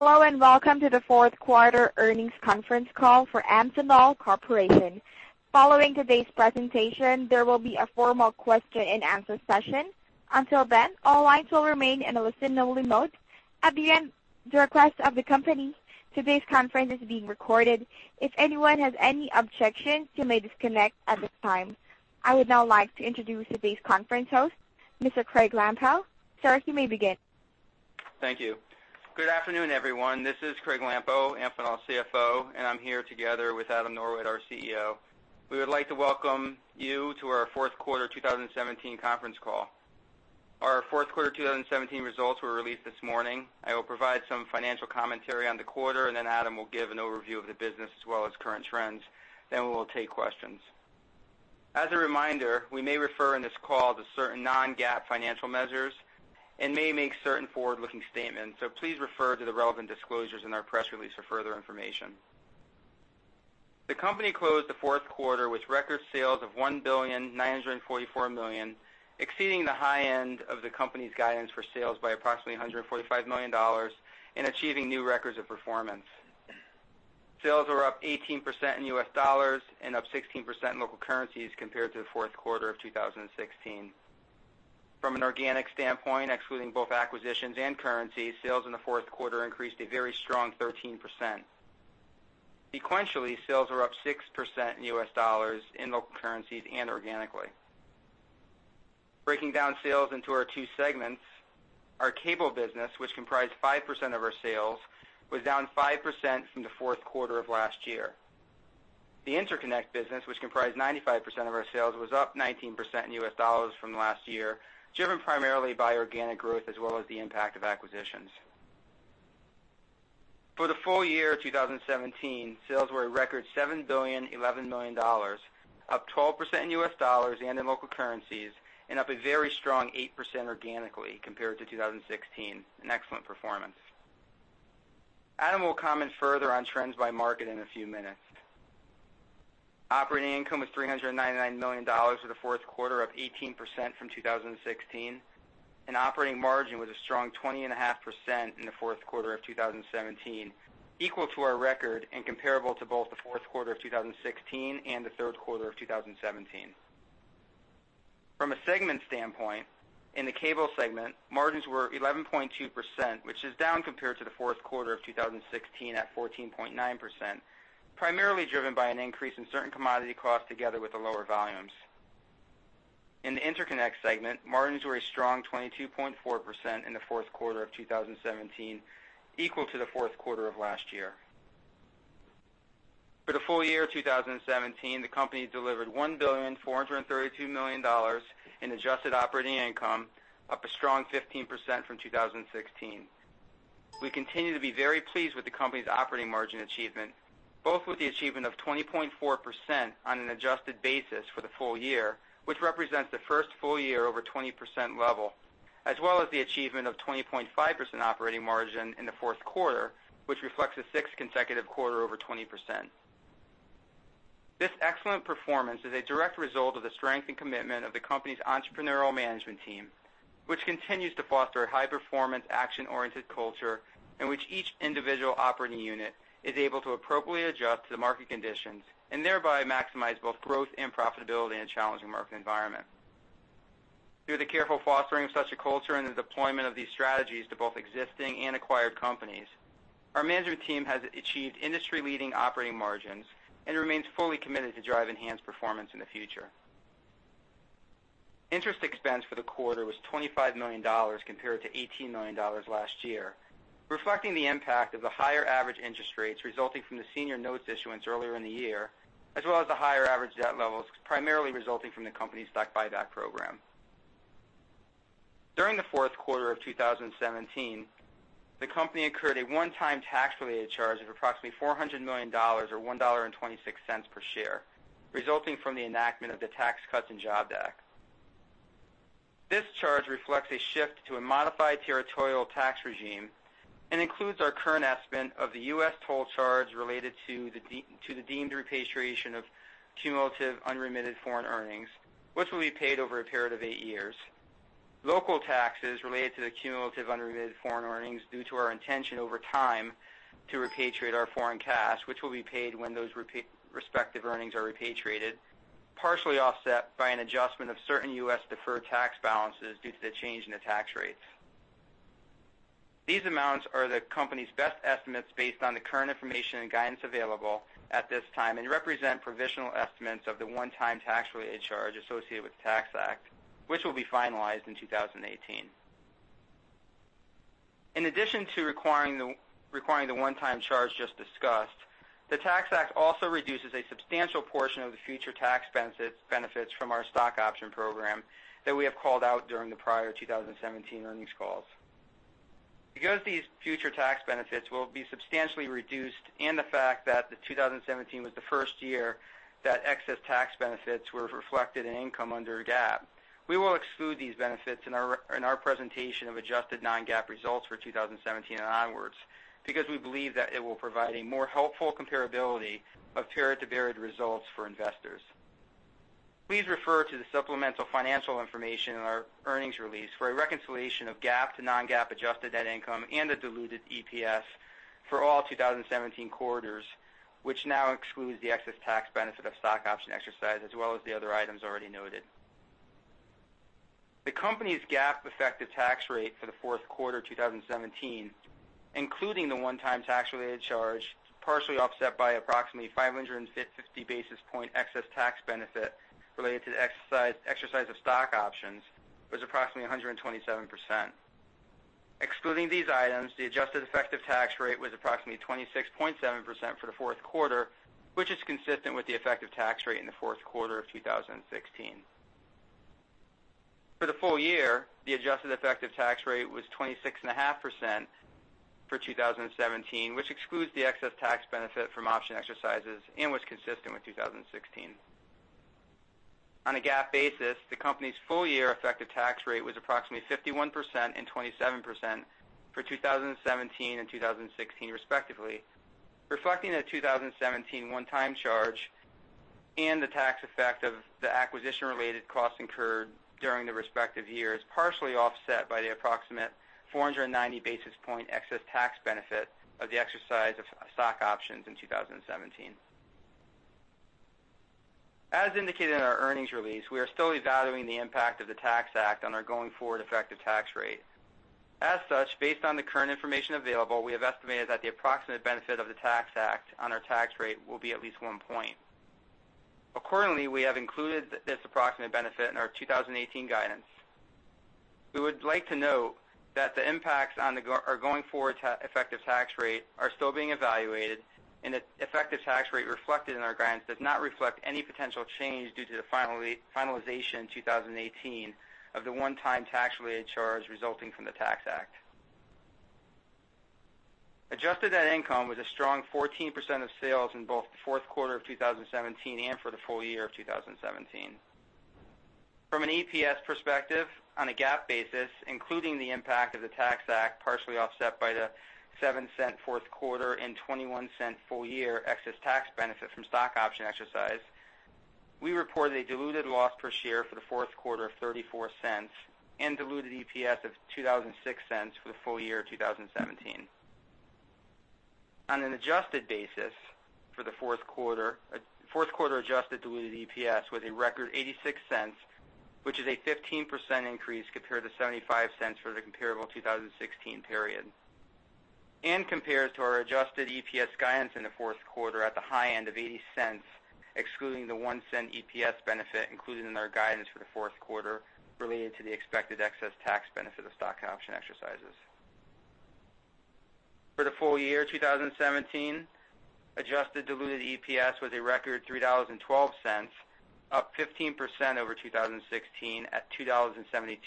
Hello, and welcome to the Q4 earnings conference call for Amphenol Corporation. Following today's presentation, there will be a formal question-and-answer session. Until then, all lines will remain in a listen-only mode. At the request of the company, today's conference is being recorded. If anyone has any objections, you may disconnect at this time. I would now like to introduce today's conference host, Mr. Craig Lampo. Sir, you may begin. Thank you. Good afternoon, everyone. This is Craig Lampo, Amphenol's CFO, and I'm here together with Adam Norwitt, our CEO. We would like to welcome you to our Q4 2017 conference call. Our Q4 2017 results were released this morning. I will provide some financial commentary on the quarter, and then Adam will give an overview of the business as well as current trends. Then we will take questions. As a reminder, we may refer in this call to certain non-GAAP financial measures and may make certain forward-looking statements, so please refer to the relevant disclosures in our press release for further information. The company closed the Q4 with record sales of $1.944 billion, exceeding the high end of the company's guidance for sales by approximately $145 million and achieving new records of performance. Sales were up 18% in US dollars and up 16% in local currencies compared to the Q4 of 2016. From an organic standpoint, excluding both acquisitions and currency, sales in the Q4 increased a very strong 13%. Sequentially, sales were up 6% in US dollars in local currencies and organically. Breaking down sales into our two segments, our cable business, which comprised 5% of our sales, was down 5% from the Q4 of last year. The interconnect business, which comprised 95% of our sales, was up 19% in U.S. dollars from last year, driven primarily by organic growth as well as the impact of acquisitions. For the full year of 2017, sales were a record $7.011 billion, up 12% in U.S. dollars and in local currencies, and up a very strong 8% organically compared to 2016. An excellent performance. Adam will comment further on trends by market in a few minutes. Operating income was $399 million for the Q4, up 18% from 2016, and operating margin was a strong 20.5% in the Q4 of 2017, equal to our record and comparable to both the Q4 of 2016 and the Q3 of 2017. From a segment standpoint, in the cable segment, margins were 11.2%, which is down compared to the Q4 of 2016 at 14.9%, primarily driven by an increase in certain commodity costs together with the lower volumes. In the interconnect segment, margins were a strong 22.4% in the Q4 of 2017, equal to theQ4 of last year. For the full year of 2017, the company delivered $1.432 billion in adjusted operating income, up a strong 15% from 2016. We continue to be very pleased with the company's operating margin achievement, both with the achievement of 20.4% on an adjusted basis for the full year, which represents the first full year over 20% level, as well as the achievement of 20.5% operating margin in the Q4, which reflects a sixth consecutive quarter over 20%. This excellent performance is a direct result of the strength and commitment of the company's entrepreneurial management team, which continues to foster a high-performance, action-oriented culture in which each individual operating unit is able to appropriately adjust to the market conditions and thereby maximize both growth and profitability in a challenging market environment. Through the careful fostering of such a culture and the deployment of these strategies to both existing and acquired companies, our management team has achieved industry-leading operating margins and remains fully committed to drive enhanced performance in the future. Interest expense for the quarter was $25 million compared to $18 million last year, reflecting the impact of the higher average interest rates resulting from the senior notes issuance earlier in the year, as well as the higher average debt levels, primarily resulting from the company's stock buyback program. During the Q4 of 2017, the company incurred a one-time tax-related charge of approximately $400 million, or $1.26 per share, resulting from the enactment of the Tax Cuts and Jobs Act. This charge reflects a shift to a modified territorial tax regime and includes our current estimate of the U.S. toll charge related to the deemed repatriation of cumulative unremitted foreign earnings, which will be paid over a period of 8 years. Local taxes related to the cumulative unremitted foreign earnings due to our intention over time to repatriate our foreign cash, which will be paid when those respective earnings are repatriated, partially offset by an adjustment of certain U.S. deferred tax balances due to the change in the tax rates. These amounts are the company's best estimates based on the current information and guidance available at this time and represent provisional estimates of the one-time tax-related charge associated with the Tax Act, which will be finalized in 2018. In addition to requiring the one-time charge just discussed, the Tax Act also reduces a substantial portion of the future tax benefits from our stock option program that we have called out during the prior 2017 earnings calls. Because these future tax benefits will be substantially reduced and the fact that 2017 was the first year that excess tax benefits were reflected in income under GAAP, we will exclude these benefits in our, in our presentation of adjusted non-GAAP results for 2017 and onwards, because we believe that it will provide a more helpful comparability of period-to-period results for investors.... Please refer to the supplemental financial information in our earnings release for a reconciliation of GAAP to non-GAAP adjusted net income and the diluted EPS for all 2017 quarters, which now excludes the excess tax benefit of stock option exercise, as well as the other items already noted. The company's GAAP effective tax rate for the Q4 2017, including the one-time tax-related charge, partially offset by approximately 550 basis points excess tax benefit related to the exercise of stock options, was approximately 127%. Excluding these items, the adjusted effective tax rate was approximately 26.7% for the Q4, which is consistent with the effective tax rate in the Q4 of 2016. For the full year, the adjusted effective tax rate was 26.5% for 2017, which excludes the excess tax benefit from option exercises and was consistent with 2016. On a GAAP basis, the company's full year effective tax rate was approximately 51% and 27% for 2017 and 2016, respectively, reflecting a 2017 one-time charge and the tax effect of the acquisition-related costs incurred during the respective years, partially offset by the approximate 490 basis point excess tax benefit of the exercise of stock options in 2017. As indicated in our earnings release, we are still evaluating the impact of the Tax Act on our going forward effective tax rate. As such, based on the current information available, we have estimated that the approximate benefit of the Tax Act on our tax rate will be at least 1 point. Accordingly, we have included this approximate benefit in our 2018 guidance. We would like to note that the impacts on our going forward effective tax rate are still being evaluated, and the effective tax rate reflected in our grants does not reflect any potential change due to the finalization in 2018 of the one-time tax-related charge resulting from the Tax Act. Adjusted net income was a strong 14% of sales in both the Q4 of 2017 and for the full year of 2017. From an EPS perspective, on a GAAP basis, including the impact of the Tax Act, partially offset by the 7-cent Q4 and 21-cent full year excess tax benefit from stock option exercise, we reported a diluted loss per share for the Q4 of $0.34 and diluted EPS of $2.06 for the full year of 2017. On an adjusted basis for the Q4, Q4 adjusted diluted EPS was a record $0.86, which is a 15% increase compared to $0.75 for the comparable 2016 period, and compares to our adjusted EPS guidance in the Q4 at the high end of $0.80, excluding the $0.01 EPS benefit included in our guidance for the Q4 related to the expected excess tax benefit of stock option exercises. For the full year 2017, adjusted diluted EPS was a record $3.12, up 15% over 2016 at $2.72,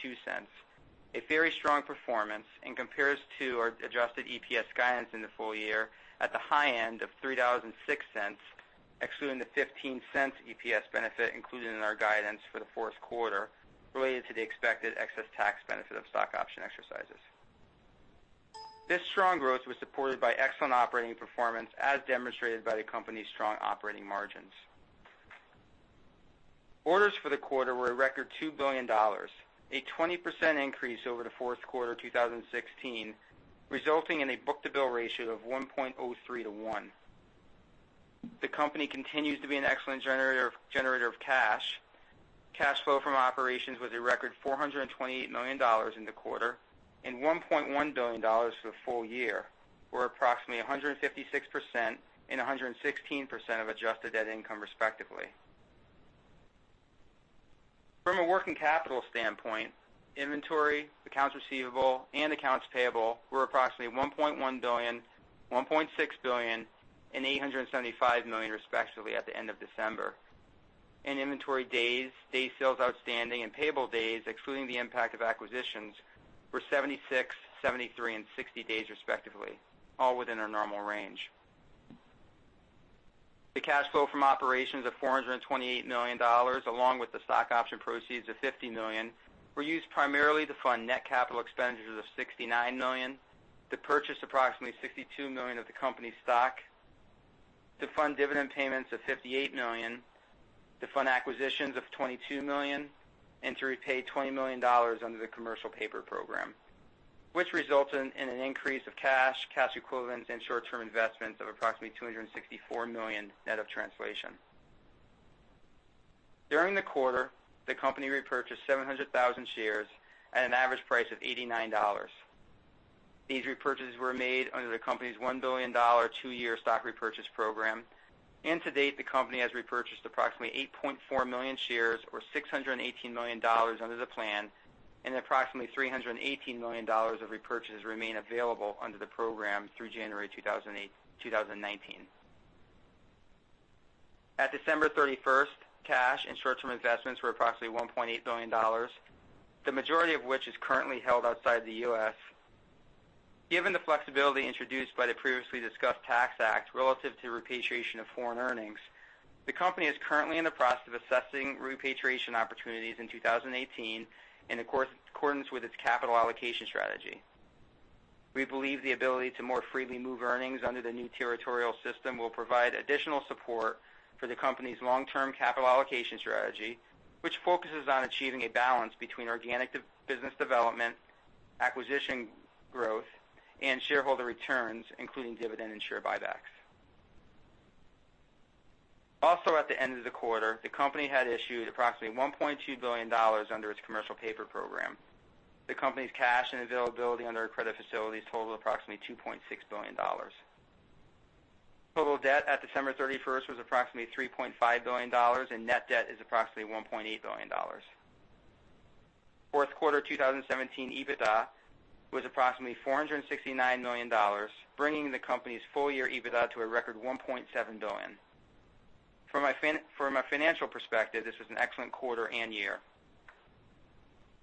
a very strong performance, and compares to our adjusted EPS guidance in the full year at the high end of $3.06, excluding the $0.15 EPS benefit included in our guidance for the Q4 related to the expected excess tax benefit of stock option exercises. This strong growth was supported by excellent operating performance, as demonstrated by the company's strong operating margins. Orders for the quarter were a record $2 billion, a 20% increase over the Q4 2016, resulting in a book-to-bill ratio of 1.03 to 1. The company continues to be an excellent generator of cash. Cash flow from operations was a record $428 million in the quarter, and $1.1 billion for the full year, or approximately 156% and 116% of adjusted net income, respectively. From a working capital standpoint, inventory, accounts receivable, and accounts payable were approximately $1.1 billion, $1.6 billion, and $875 million, respectively, at the end of December. Inventory days, days sales outstanding, and payable days, excluding the impact of acquisitions, were 76, 73, and 60 days, respectively, all within our normal range. The cash flow from operations of $428 million, along with the stock option proceeds of $50 million, were used primarily to fund net capital expenditures of $69 million, to purchase approximately $62 million of the company's stock, to fund dividend payments of $58 million, to fund acquisitions of $22 million, and to repay $20 million under the Commercial Paper Program, which resulted in an increase of cash, cash equivalents, and short-term investments of approximately $264 million, net of translation. During the quarter, the company repurchased 700,000 shares at an average price of $89. These repurchases were made under the company's $1 billion two-year stock repurchase program, and to date, the company has repurchased approximately 8.4 million shares or $618 million under the plan, and approximately $318 million of repurchases remain available under the program through January 2019. At December 31st, cash and short-term investments were approximately $1.8 billion, the majority of which is currently held outside the US. Given the flexibility introduced by the previously discussed Tax Act relative to repatriation of foreign earnings, the company is currently in the process of assessing repatriation opportunities in 2018 in accordance with its capital allocation strategy. We believe the ability to more freely move earnings under the new territorial system will provide additional support for the company's long-term capital allocation strategy, which focuses on achieving a balance between organic business development, acquisition growth, and shareholder returns, including dividend and share buybacks. Also, at the end of the quarter, the company had issued approximately $1.2 billion under its commercial paper program. The company's cash and availability under credit facilities totaled approximately $2.6 billion. Total debt at December 31st was approximately $3.5 billion, and net debt is approximately $1.8 billion. Q4, 2017 EBITDA was approximately $469 million, bringing the company's full-year EBITDA to a record $1.7 billion. From a financial perspective, this was an excellent quarter and year.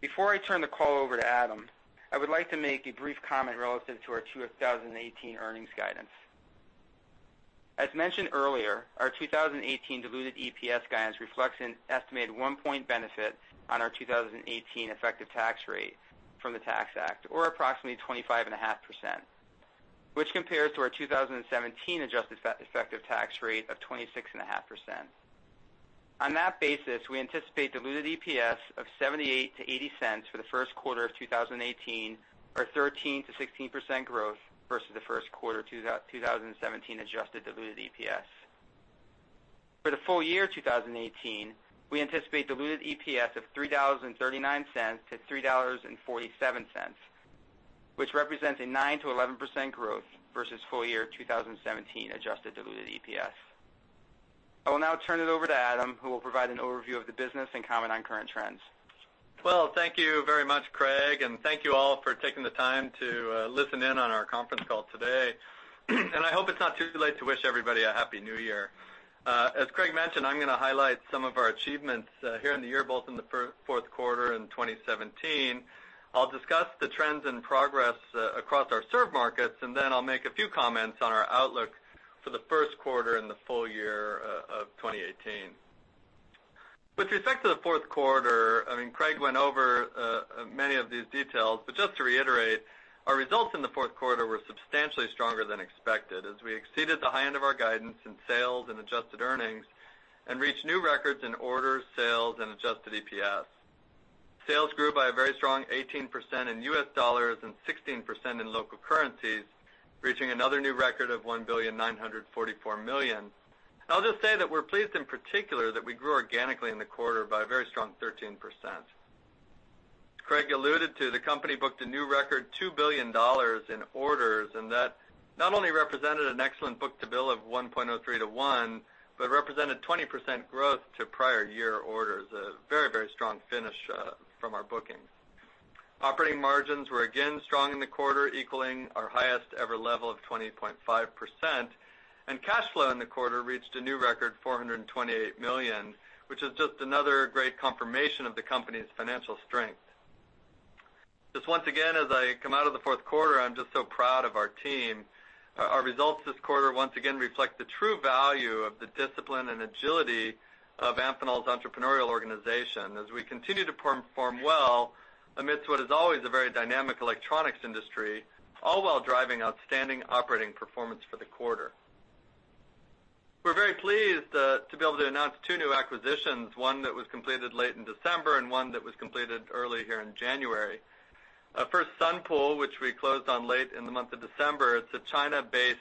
Before I turn the call over to Adam, I would like to make a brief comment relative to our 2018 earnings guidance. As mentioned earlier, our 2018 diluted EPS guidance reflects an estimated 1-point benefit on our 2018 effective tax rate from the Tax Act, or approximately 25.5%, which compares to our 2017 adjusted effective tax rate of 26.5%. On that basis, we anticipate diluted EPS of $0.78-$0.80 for the Q1 of 2018, or 13%-16% growth versus the Q1 2017 adjusted diluted EPS. For the full year 2018, we anticipate diluted EPS of $3.39-$3.47, which represents a 9%-11% growth versus full year 2017 adjusted diluted EPS. I will now turn it over to Adam, who will provide an overview of the business and comment on current trends. Well, thank you very much, Craig, and thank you all for taking the time to listen in on our conference call today. I hope it's not too late to wish everybody a happy New Year. As Craig mentioned, I'm gonna highlight some of our achievements here in the year, both in the Q4 in 2017. I'll discuss the trends and progress across our served markets, and then I'll make a few comments on our outlook for the Q1 and the full year of 2018. With respect to the Q4, I mean, Craig went over many of these details, but just to reiterate, our results in the Q4 were substantially stronger than expected, as we exceeded the high end of our guidance in sales and adjusted earnings, and reached new records in orders, sales, and adjusted EPS. Sales grew by a very strong 18% in U.S. dollars and 16% in local currencies, reaching another new record of $1,944 million. I'll just say that we're pleased, in particular, that we grew organically in the quarter by a very strong 13%. Craig alluded to the company booked a new record, $2 billion in orders, and that not only represented an excellent book-to-bill of 1.03 to 1, but represented 20% growth to prior year orders. A very, very strong finish from our bookings. Operating margins were again strong in the quarter, equaling our highest ever level of 20.5%, and cash flow in the quarter reached a new record, $428 million, which is just another great confirmation of the company's financial strength. Just once again, as I come out of the Q4, I'm just so proud of our team. Our results this quarter, once again, reflect the true value of the discipline and agility of Amphenol's entrepreneurial organization, as we continue to perform well amidst what is always a very dynamic electronics industry, all while driving outstanding operating performance for the quarter. We're very pleased to be able to announce two new acquisitions, one that was completed late in December and one that was completed early here in January. First Sunpool, which we closed on late in the month of December. It's a China-based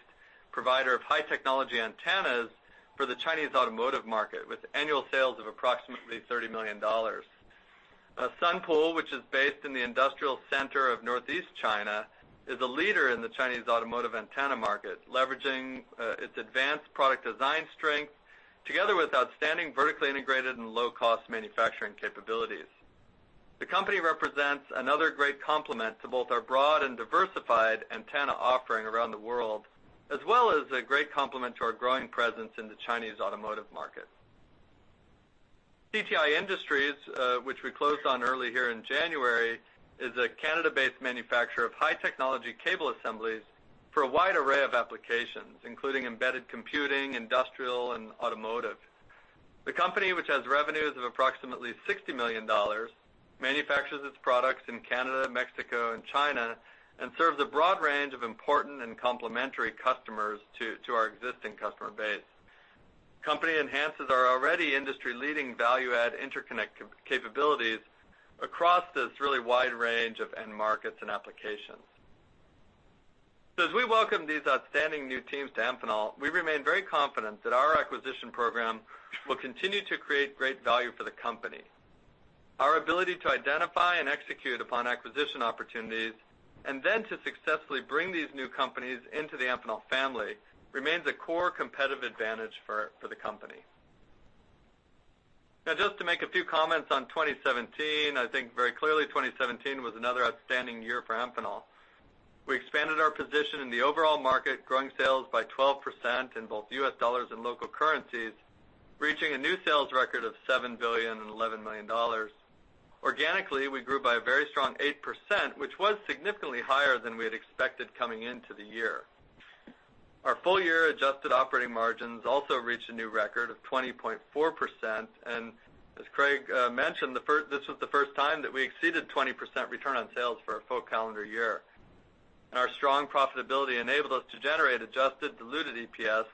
provider of high technology antennas for the Chinese automotive market, with annual sales of approximately $30 million. Sunpool, which is based in the industrial center of Northeast China, is a leader in the Chinese automotive antenna market, leveraging its advanced product design strength, together with outstanding vertically integrated and low-cost manufacturing capabilities. The company represents another great complement to both our broad and diversified antenna offering around the world, as well as a great complement to our growing presence in the Chinese automotive market. CTI Industries, which we closed on early in January, is a Canada-based manufacturer of high technology cable assemblies for a wide array of applications, including embedded computing, industrial, and automotive. The company, which has revenues of approximately $60 million, manufactures its products in Canada, Mexico, and China, and serves a broad range of important and complementary customers to our existing customer base. The company enhances our already industry-leading value-add interconnect capabilities across this really wide range of end markets and applications. So as we welcome these outstanding new teams to Amphenol, we remain very confident that our acquisition program will continue to create great value for the company. Our ability to identify and execute upon acquisition opportunities, and then to successfully bring these new companies into the Amphenol family, remains a core competitive advantage for the company. Now, just to make a few comments on 2017, I think very clearly, 2017 was another outstanding year for Amphenol. We expanded our position in the overall market, growing sales by 12% in both US dollars and local currencies, reaching a new sales record of $7.011 billion. Organically, we grew by a very strong 8%, which was significantly higher than we had expected coming into the year.... Our full year adjusted operating margins also reached a new record of 20.4%, and as Craig mentioned, this was the first time that we exceeded 20% return on sales for a full calendar year. Our strong profitability enabled us to generate adjusted diluted EPS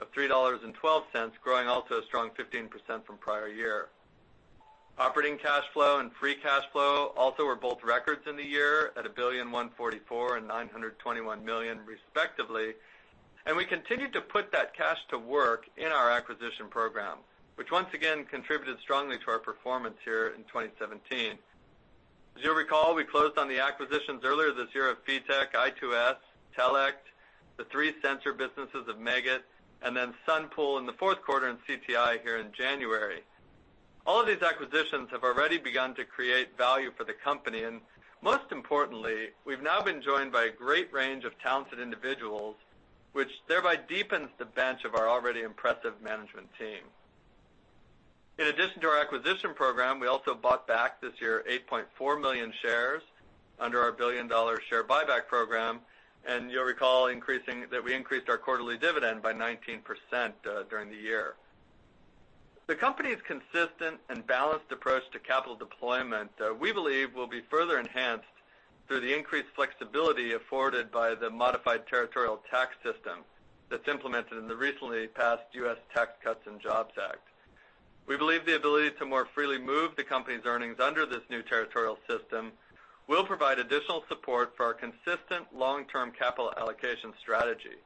of $3.12, growing also a strong 15% from prior year. Operating cash flow and free cash flow also were both records in the year at $1.144 billion and $921 million, respectively. And we continued to put that cash to work in our acquisition program, which once again, contributed strongly to our performance here in 2017. As you'll recall, we closed on the acquisitions earlier this year of Phitek, i2s, Telect, the three sensor businesses of Meggitt, and then Sunpool in the Q4, and CTI here in January. All of these acquisitions have already begun to create value for the company, and most importantly, we've now been joined by a great range of talented individuals, which thereby deepens the bench of our already impressive management team. In addition to our acquisition program, we also bought back, this year, 8.4 million shares under our $1 billion share buyback program, and you'll recall that we increased our quarterly dividend by 19% during the year. The company's consistent and balanced approach to capital deployment, we believe, will be further enhanced through the increased flexibility afforded by the modified territorial tax system that's implemented in the recently passed U.S. Tax Cuts and Jobs Act. We believe the ability to more freely move the company's earnings under this new territorial system will provide additional support for our consistent long-term capital allocation strategy,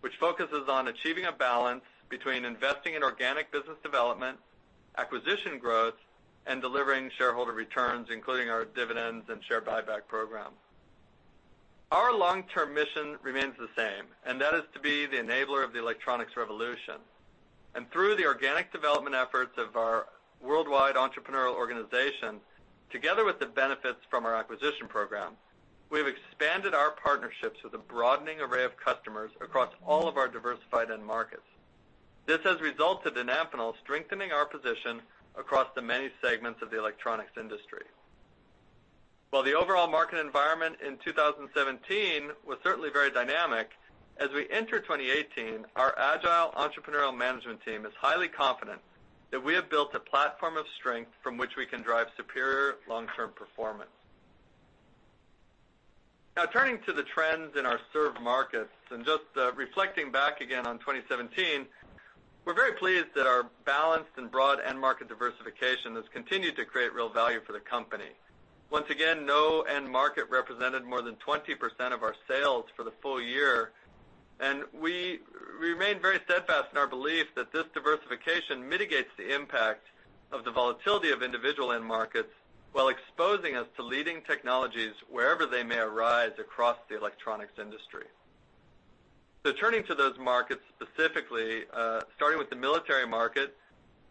which focuses on achieving a balance between investing in organic business development, acquisition growth, and delivering shareholder returns, including our dividends and share buyback program. Our long-term mission remains the same, and that is to be the enabler of the electronics revolution. Through the organic development efforts of our worldwide entrepreneurial organization, together with the benefits from our acquisition program, we've expanded our partnerships with a broadening array of customers across all of our diversified end markets. This has resulted in Amphenol strengthening our position across the many segments of the electronics industry. While the overall market environment in 2017 was certainly very dynamic, as we enter 2018, our agile entrepreneurial management team is highly confident that we have built a platform of strength from which we can drive superior long-term performance. Now, turning to the trends in our served markets, and just, reflecting back again on 2017, we're very pleased that our balanced and broad end market diversification has continued to create real value for the company. Once again, no end market represented more than 20% of our sales for the full year, and we remain very steadfast in our belief that this diversification mitigates the impact of the volatility of individual end markets, while exposing us to leading technologies wherever they may arise across the electronics industry. So turning to those markets specifically, starting with the military markets.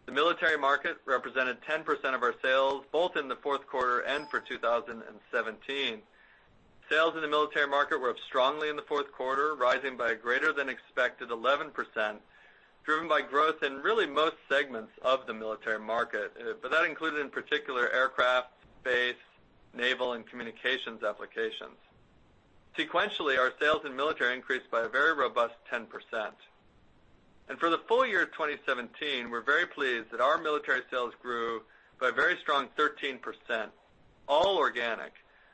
The military market represented 10% of our sales, both in the Q4 and for 2017. Sales in the military market were up strongly in the Q4, rising by a greater than expected 11%, driven by growth in really most segments of the military market, but that included, in particular, aircraft, base, naval, and communications applications. Sequentially, our sales in military increased by a very robust 10%. And for the full year of 2017, we're very pleased that our military sales grew by a very strong 13%, all organic,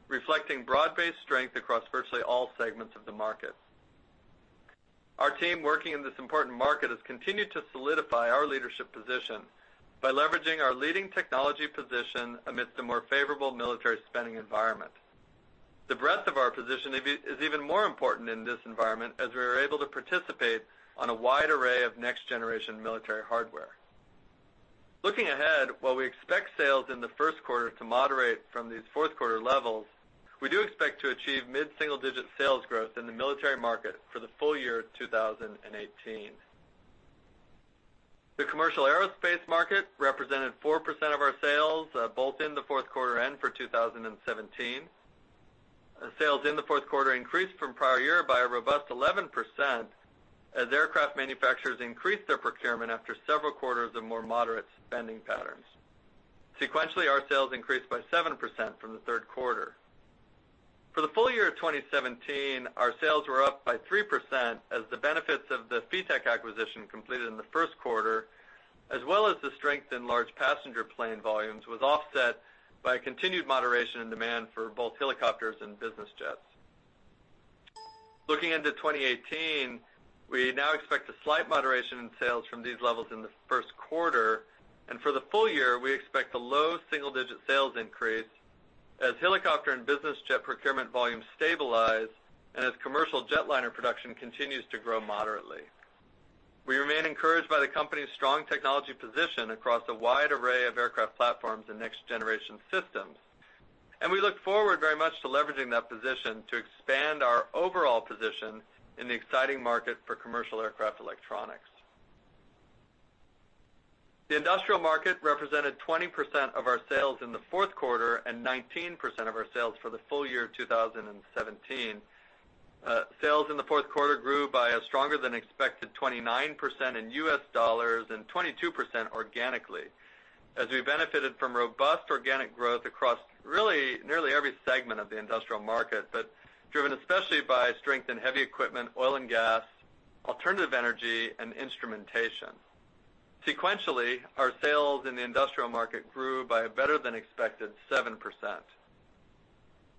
reflecting broad-based strength across virtually all segments of the market. Our team working in this important market has continued to solidify our leadership position by leveraging our leading technology position amidst a more favorable military spending environment. The breadth of our position is even more important in this environment, as we are able to participate on a wide array of next-generation military hardware. Looking ahead, while we expect sales in the Q1 to moderate from these Q4 levels, we do expect to achieve mid-single-digit sales growth in the military market for the full year of 2018. The commercial aerospace market represented 4% of our sales both in the Q4 and for 2017. Sales in the Q4 increased from prior year by a robust 11%, as aircraft manufacturers increased their procurement after several quarters of more moderate spending patterns. Sequentially, our sales increased by 7% from the Q3. For the full year of 2017, our sales were up by 3% as the benefits of the Phitek acquisition completed in the Q1, as well as the strength in large passenger plane volumes, was offset by a continued moderation in demand for both helicopters and business jets. Looking into 2018, we now expect a slight moderation in sales from these levels in the Q1. And for the full year, we expect a low single-digit sales increase as helicopter and business jet procurement volumes stabilize, and as commercial jetliner production continues to grow moderately. We remain encouraged by the company's strong technology position across a wide array of aircraft platforms and next-generation systems, and we look forward very much to leveraging that position to expand our overall position in the exciting market for commercial aircraft electronics. The industrial market represented 20% of our sales in the Q4 and 19% of our sales for the full year of 2017. Sales in the Q4 grew by a stronger than expected 29% in US dollars and 22% organically, as we benefited from robust organic growth across segment of the industrial market, but driven especially by strength in heavy equipment, oil and gas, alternative energy, and instrumentation. Sequentially, our sales in the industrial market grew by a better-than-expected 7%.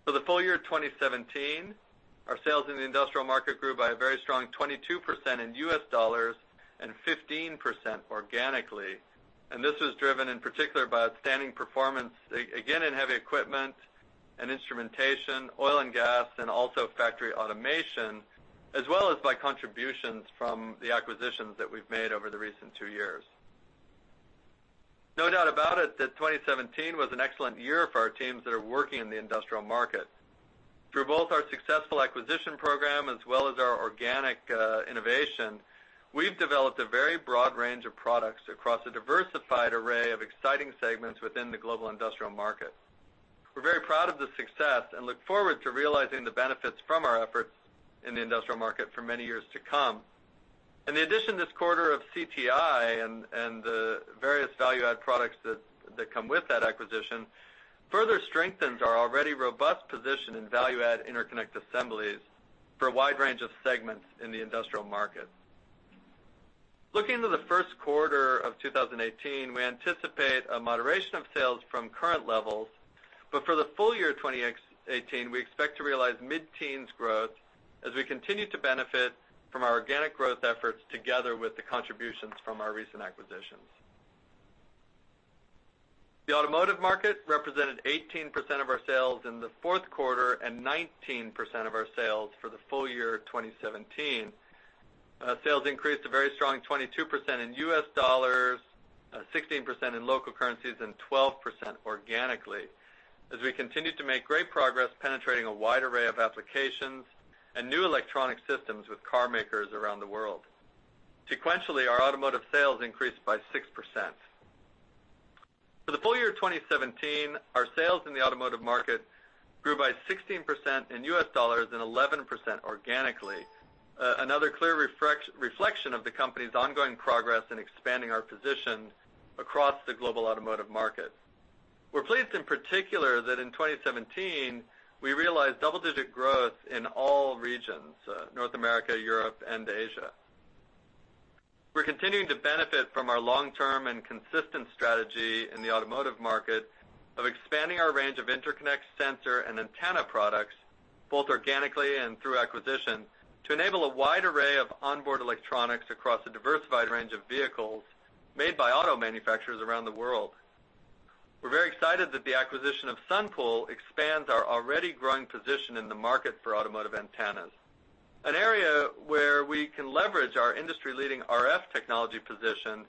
For the full year of 2017, our sales in the industrial market grew by a very strong 22% in US dollars and 15% organically, and this was driven in particular by outstanding performance, again, in heavy equipment and instrumentation, oil and gas, and also factory automation, as well as by contributions from the acquisitions that we've made over the recent two years. No doubt about it, that 2017 was an excellent year for our teams that are working in the industrial market. Through both our successful acquisition program as well as our organic innovation, we've developed a very broad range of products across a diversified array of exciting segments within the global industrial market. We're very proud of the success and look forward to realizing the benefits from our efforts in the industrial market for many years to come. And the addition this quarter of CTI and the various value-add products that come with that acquisition, further strengthens our already robust position in value-add interconnect assemblies for a wide range of segments in the industrial market. Looking to the Q1 of 2018, we anticipate a moderation of sales from current levels, but for the full year 2018, we expect to realize mid-teens growth as we continue to benefit from our organic growth efforts together with the contributions from our recent acquisitions. The automotive market represented 18% of our sales in the Q4 and 19% of our sales for the full year 2017. Sales increased a very strong 22% in U.S. dollars, 16% in local currencies, and 12% organically, as we continued to make great progress penetrating a wide array of applications and new electronic systems with car makers around the world. Sequentially, our automotive sales increased by 6%. For the full year of 2017, our sales in the automotive market grew by 16% in U.S. dollars and 11% organically, another clear reflection of the company's ongoing progress in expanding our position across the global automotive market. We're pleased, in particular, that in 2017, we realized double-digit growth in all regions, North America, Europe, and Asia. We're continuing to benefit from our long-term and consistent strategy in the automotive market of expanding our range of interconnect sensor and antenna products, both organically and through acquisition, to enable a wide array of onboard electronics across a diversified range of vehicles made by auto manufacturers around the world. We're very excited that the acquisition of Sunpool expands our already growing position in the market for automotive antennas, an area where we can leverage our industry-leading RF technology position,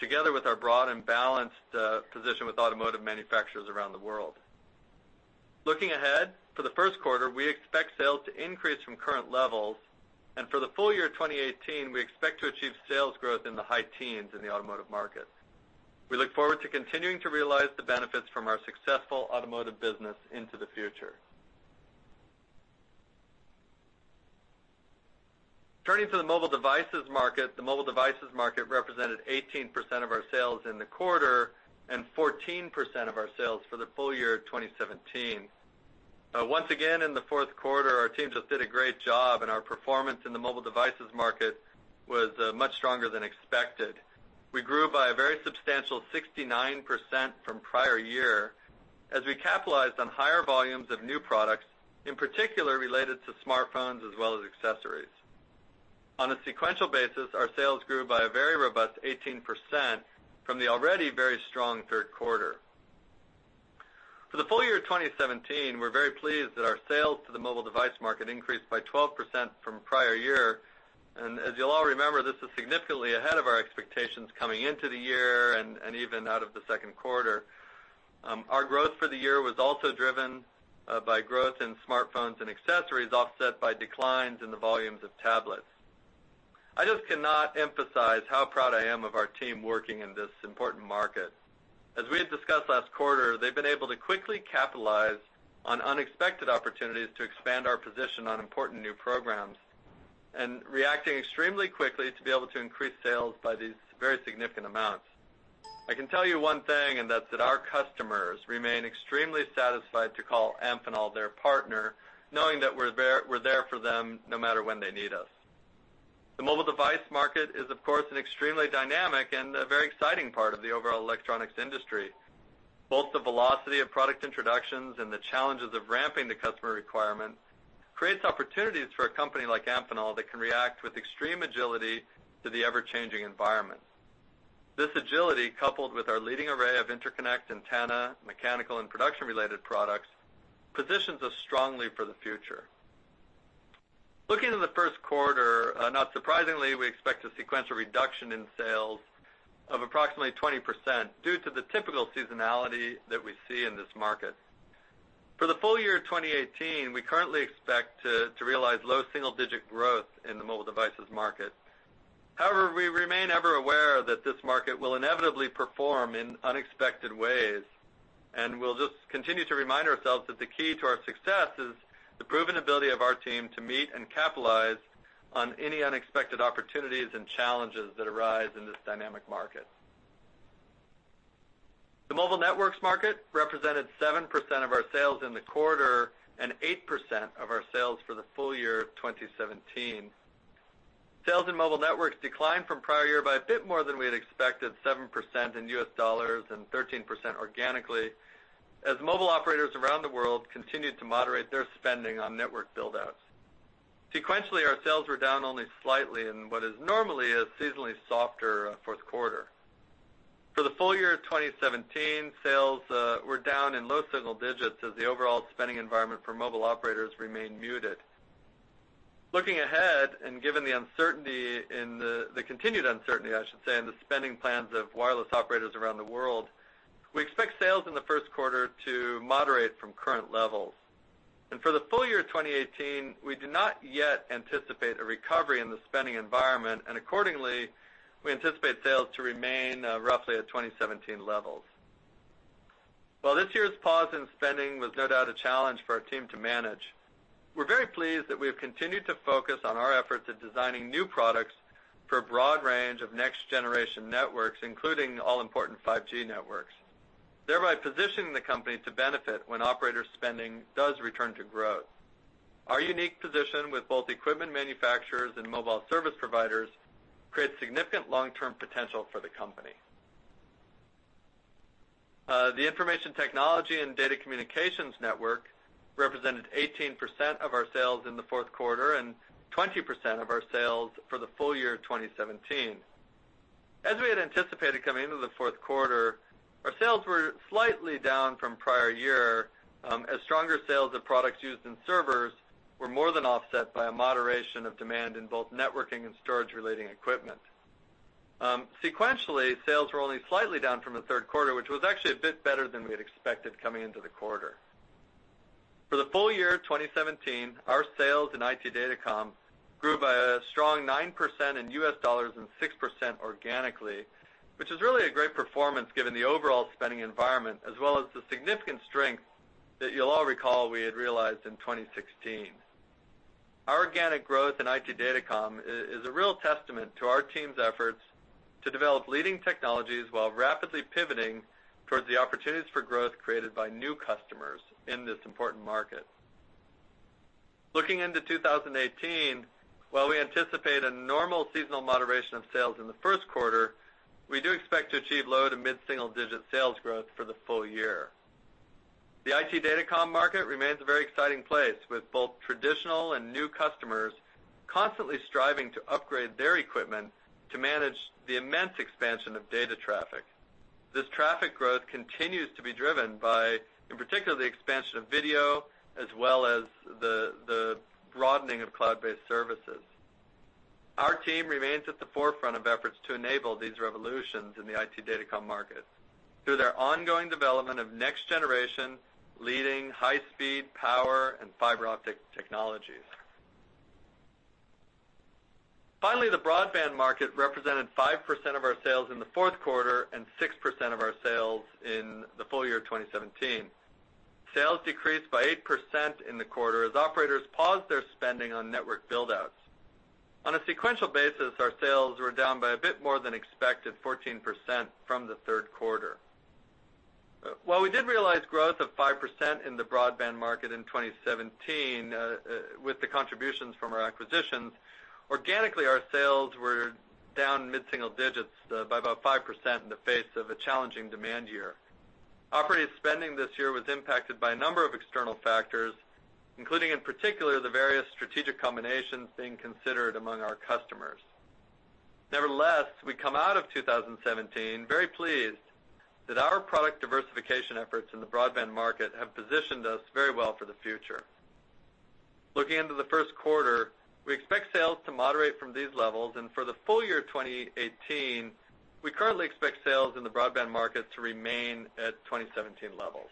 together with our broad and balanced position with automotive manufacturers around the world. Looking ahead, for the Q1, we expect sales to increase from current levels, and for the full year 2018, we expect to achieve sales growth in the high teens in the automotive market. We look forward to continuing to realize the benefits from our successful automotive business into the future. Turning to the mobile devices market, the mobile devices market represented 18% of our sales in the quarter and 14% of our sales for the full year 2017. Once again, in the Q4, our teams just did a great job, and our performance in the mobile devices market was much stronger than expected. We grew by a very substantial 69% from prior year as we capitalized on higher volumes of new products, in particular, related to smartphones as well as accessories. On a sequential basis, our sales grew by a very robust 18% from the already very strong Q3. For the full year 2017, we're very pleased that our sales to the mobile device market increased by 12% from prior year, and as you'll all remember, this is significantly ahead of our expectations coming into the year and even out of the Q2. Our growth for the year was also driven by growth in smartphones and accessories, offset by declines in the volumes of tablets. I just cannot emphasize how proud I am of our team working in this important market. As we had discussed last quarter, they've been able to quickly capitalize on unexpected opportunities to expand our position on important new programs and reacting extremely quickly to be able to increase sales by these very significant amounts. I can tell you one thing, and that's that our customers remain extremely satisfied to call Amphenol their partner, knowing that we're there, we're there for them no matter when they need us. The mobile device market is, of course, an extremely dynamic and a very exciting part of the overall electronics industry. Both the velocity of product introductions and the challenges of ramping the customer requirements creates opportunities for a company like Amphenol that can react with extreme agility to the ever-changing environment. This agility, coupled with our leading array of interconnect, antenna, mechanical, and production-related products, positions us strongly for the future. Looking in the Q1, not surprisingly, we expect a sequential reduction in sales of approximately 20% due to the typical seasonality that we see in this market. For the full year 2018, we currently expect to realize low single-digit growth in the mobile devices market. However, we remain ever aware that this market will inevitably perform in unexpected ways, and we'll just continue to remind ourselves that the key to our success is the proven ability of our team to meet and capitalize on any unexpected opportunities and challenges that arise in this dynamic market. The mobile networks market represented 7% of our sales in the quarter and 8% of our sales for the full year of 2017. Sales in mobile networks declined from prior year by a bit more than we had expected, 7% in U.S. dollars and 13% organically, as mobile operators around the world continued to moderate their spending on network buildouts. Sequentially, our sales were down only slightly in what is normally a seasonally softer Q4. For the full year of 2017, sales were down in low single digits as the overall spending environment for mobile operators remained muted. Looking ahead, and given the uncertainty in the continued uncertainty, I should say, in the spending plans of wireless operators around the world, we expect sales in the Q1 to moderate from current levels. For the full year of 2018, we do not yet anticipate a recovery in the spending environment, and accordingly, we anticipate sales to remain roughly at 2017 levels. While this year's pause in spending was no doubt a challenge for our team to manage, we're very pleased that we have continued to focus on our efforts of designing new products for a broad range of next-generation networks, including all-important 5G networks, thereby positioning the company to benefit when operator spending does return to growth. Our unique position with both equipment manufacturers and mobile service providers creates significant long-term potential for the company. The information technology and data communications network represented 18% of our sales in the Q4 and 20% of our sales for the full year of 2017. As we had anticipated coming into the Q4, our sales were slightly down from prior year, as stronger sales of products used in servers were more than offset by a moderation of demand in both networking and storage-related equipment. Sequentially, sales were only slightly down from the Q3, which was actually a bit better than we had expected coming into the quarter. For the full year of 2017, our sales in IT Datacom grew by a strong 9% in U.S. dollars and 6% organically, which is really a great performance given the overall spending environment, as well as the significant strength that you'll all recall we had realized in 2016. Our organic growth in IT Datacom is a real testament to our team's efforts to develop leading technologies while rapidly pivoting towards the opportunities for growth created by new customers in this important market. Looking into 2018, while we anticipate a normal seasonal moderation of sales in the Q1, we do expect to achieve low- to mid-single-digit sales growth for the full year. The IT Datacom market remains a very exciting place, with both traditional and new customers constantly striving to upgrade their equipment to manage the immense expansion of data traffic. This traffic growth continues to be driven by, in particular, the expansion of video as well as the broadening of cloud-based services. Our team remains at the forefront of efforts to enable these revolutions in the IT Datacom market through their ongoing development of next-generation, leading, high-speed, power, and fiber optic technologies. Finally, the broadband market represented 5% of our sales in the Q4 and 6% of our sales in the full year of 2017. Sales decreased by 8% in the quarter as operators paused their spending on network buildouts. On a sequential basis, our sales were down by a bit more than expected, 14% from the Q3. While we did realize growth of 5% in the broadband market in 2017, with the contributions from our acquisitions, organically, our sales were down mid-single digits, by about 5% in the face of a challenging demand year. Operating spending this year was impacted by a number of external factors, including, in particular, the various strategic combinations being considered among our customers. Nevertheless, we come out of 2017 very pleased that our product diversification efforts in the broadband market have positioned us very well for the future. Looking into the Q1, we expect sales to moderate from these levels, and for the full year of 2018, we currently expect sales in the broadband market to remain at 2017 levels.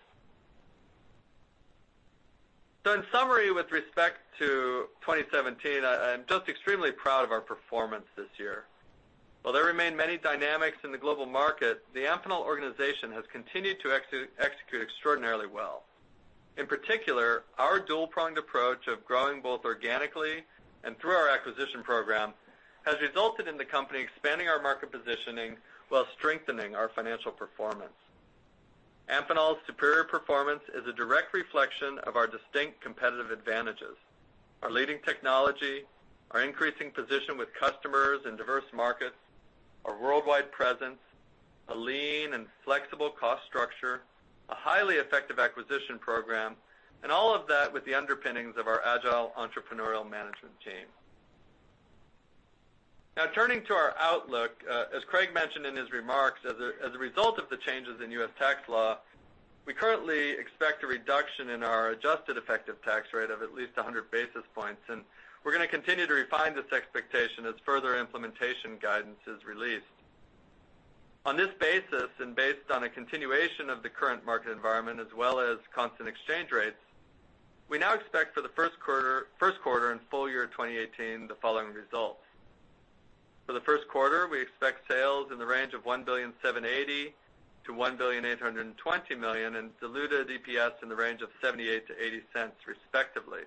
So in summary, with respect to 2017, I'm just extremely proud of our performance this year. While there remain many dynamics in the global market, the Amphenol organization has continued to execute extraordinarily well. In particular, our dual-pronged approach of growing both organically and through our acquisition program has resulted in the company expanding our market positioning while strengthening our financial performance. Amphenol's superior performance is a direct reflection of our distinct competitive advantages, our leading technology, our increasing position with customers in diverse markets, our worldwide presence, a lean and flexible cost structure, a highly effective acquisition program, and all of that with the underpinnings of our agile, entrepreneurial management team. Now turning to our outlook, as Craig mentioned in his remarks, as a result of the changes in U.S. tax law, we currently expect a reduction in our adjusted effective tax rate of at least 100 basis points, and we're gonna continue to refine this expectation as further implementation guidance is released. On this basis, and based on a continuation of the current market environment as well as constant exchange rates, we now expect for the Q1 and full year of 2018, the following results: For the Q1, we expect sales in the range of $1.78 billion-$1.82 billion, and diluted EPS in the range of $0.78-$0.80, respectively.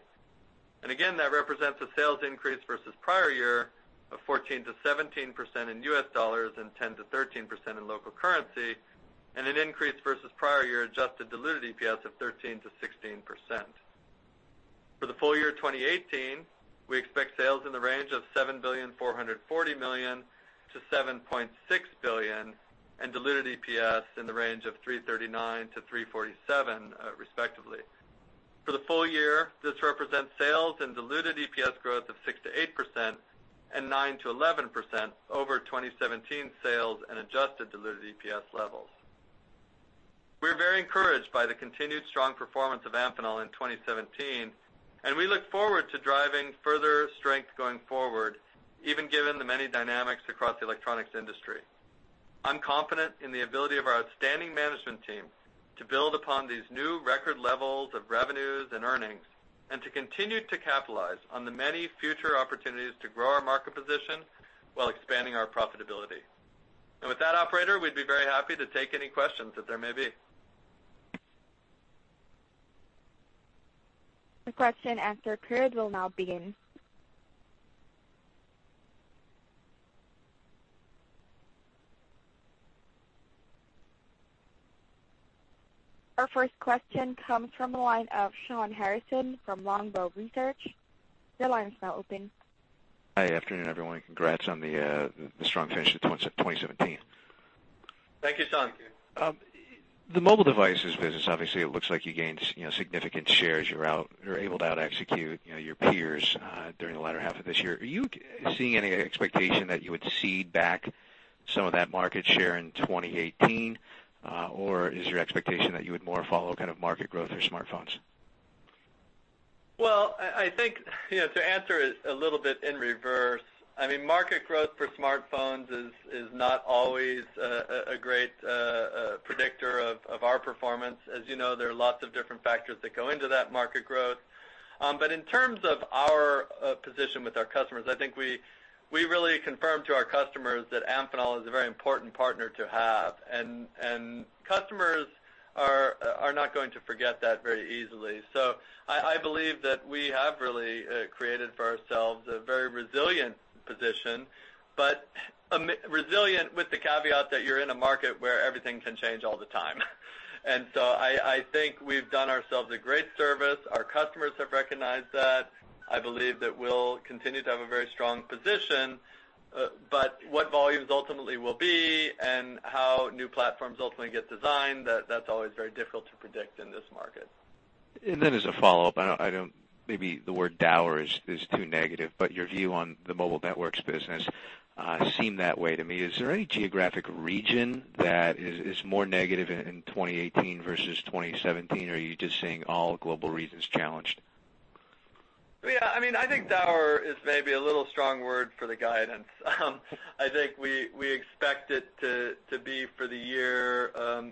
And again, that represents a sales increase versus prior year of 14%-17% in US dollars and 10%-13% in local currency, and an increase versus prior year adjusted diluted EPS of 13%-16%. For the full year 2018, we expect sales in the range of $7.44 billion-$7.6 billion, and diluted EPS in the range of $3.39-$3.47, respectively. For the full year, this represents sales and diluted EPS growth of 6%-8% and 9%-11% over 2017 sales and adjusted diluted EPS levels. We're very encouraged by the continued strong performance of Amphenol in 2017, and we look forward to driving further strength going forward, even given the many dynamics across the electronics industry. I'm confident in the ability of our outstanding management team to build upon these new record levels of revenues and earnings, and to continue to capitalize on the many future opportunities to grow our market position while expanding our profitability. With that, operator, we'd be very happy to take any questions that there may be. The question and answer period will now begin. Our first question comes from the line of Shawn Harrison from Longbow Research. Your line is now open. Hi. Afternoon, everyone, and congrats on the strong finish to 2017. Thank you, Shawn. The mobile devices business, obviously, it looks like you gained, you know, significant shares. You're able to out execute, you know, your peers during the latter half of this year. Are you seeing any expectation that you would cede back some of that market share in 2018, or is your expectation that you would more follow kind of market growth or smartphones? Well, I think, you know, to answer it a little bit in reverse, I mean, market growth for smartphones is not always a great predictor of our performance. As you know, there are lots of different factors that go into that market growth. But in terms of our position with our customers, I think we really confirmed to our customers that Amphenol is a very important partner to have, and customers are not going to forget that very easily. So I believe that we have really created for ourselves a very resilient position, but a resilient with the caveat that you're in a market where everything can change all the time. And so I think we've done ourselves a great service. Our customers have recognized that. I believe that we'll continue to have a very strong position, but what volumes ultimately will be and how new platforms ultimately get designed, that's always very difficult to predict in this market. And then as a follow-up, I don't, I don't—maybe the word dour is, is too negative, but your view on the mobile networks business seem that way to me. Is there any geographic region that is, is more negative in 2018 versus 2017, or are you just seeing all global regions challenged? Yeah, I mean, I think dour is maybe a little strong word for the guidance. I think we expect it to be for the year,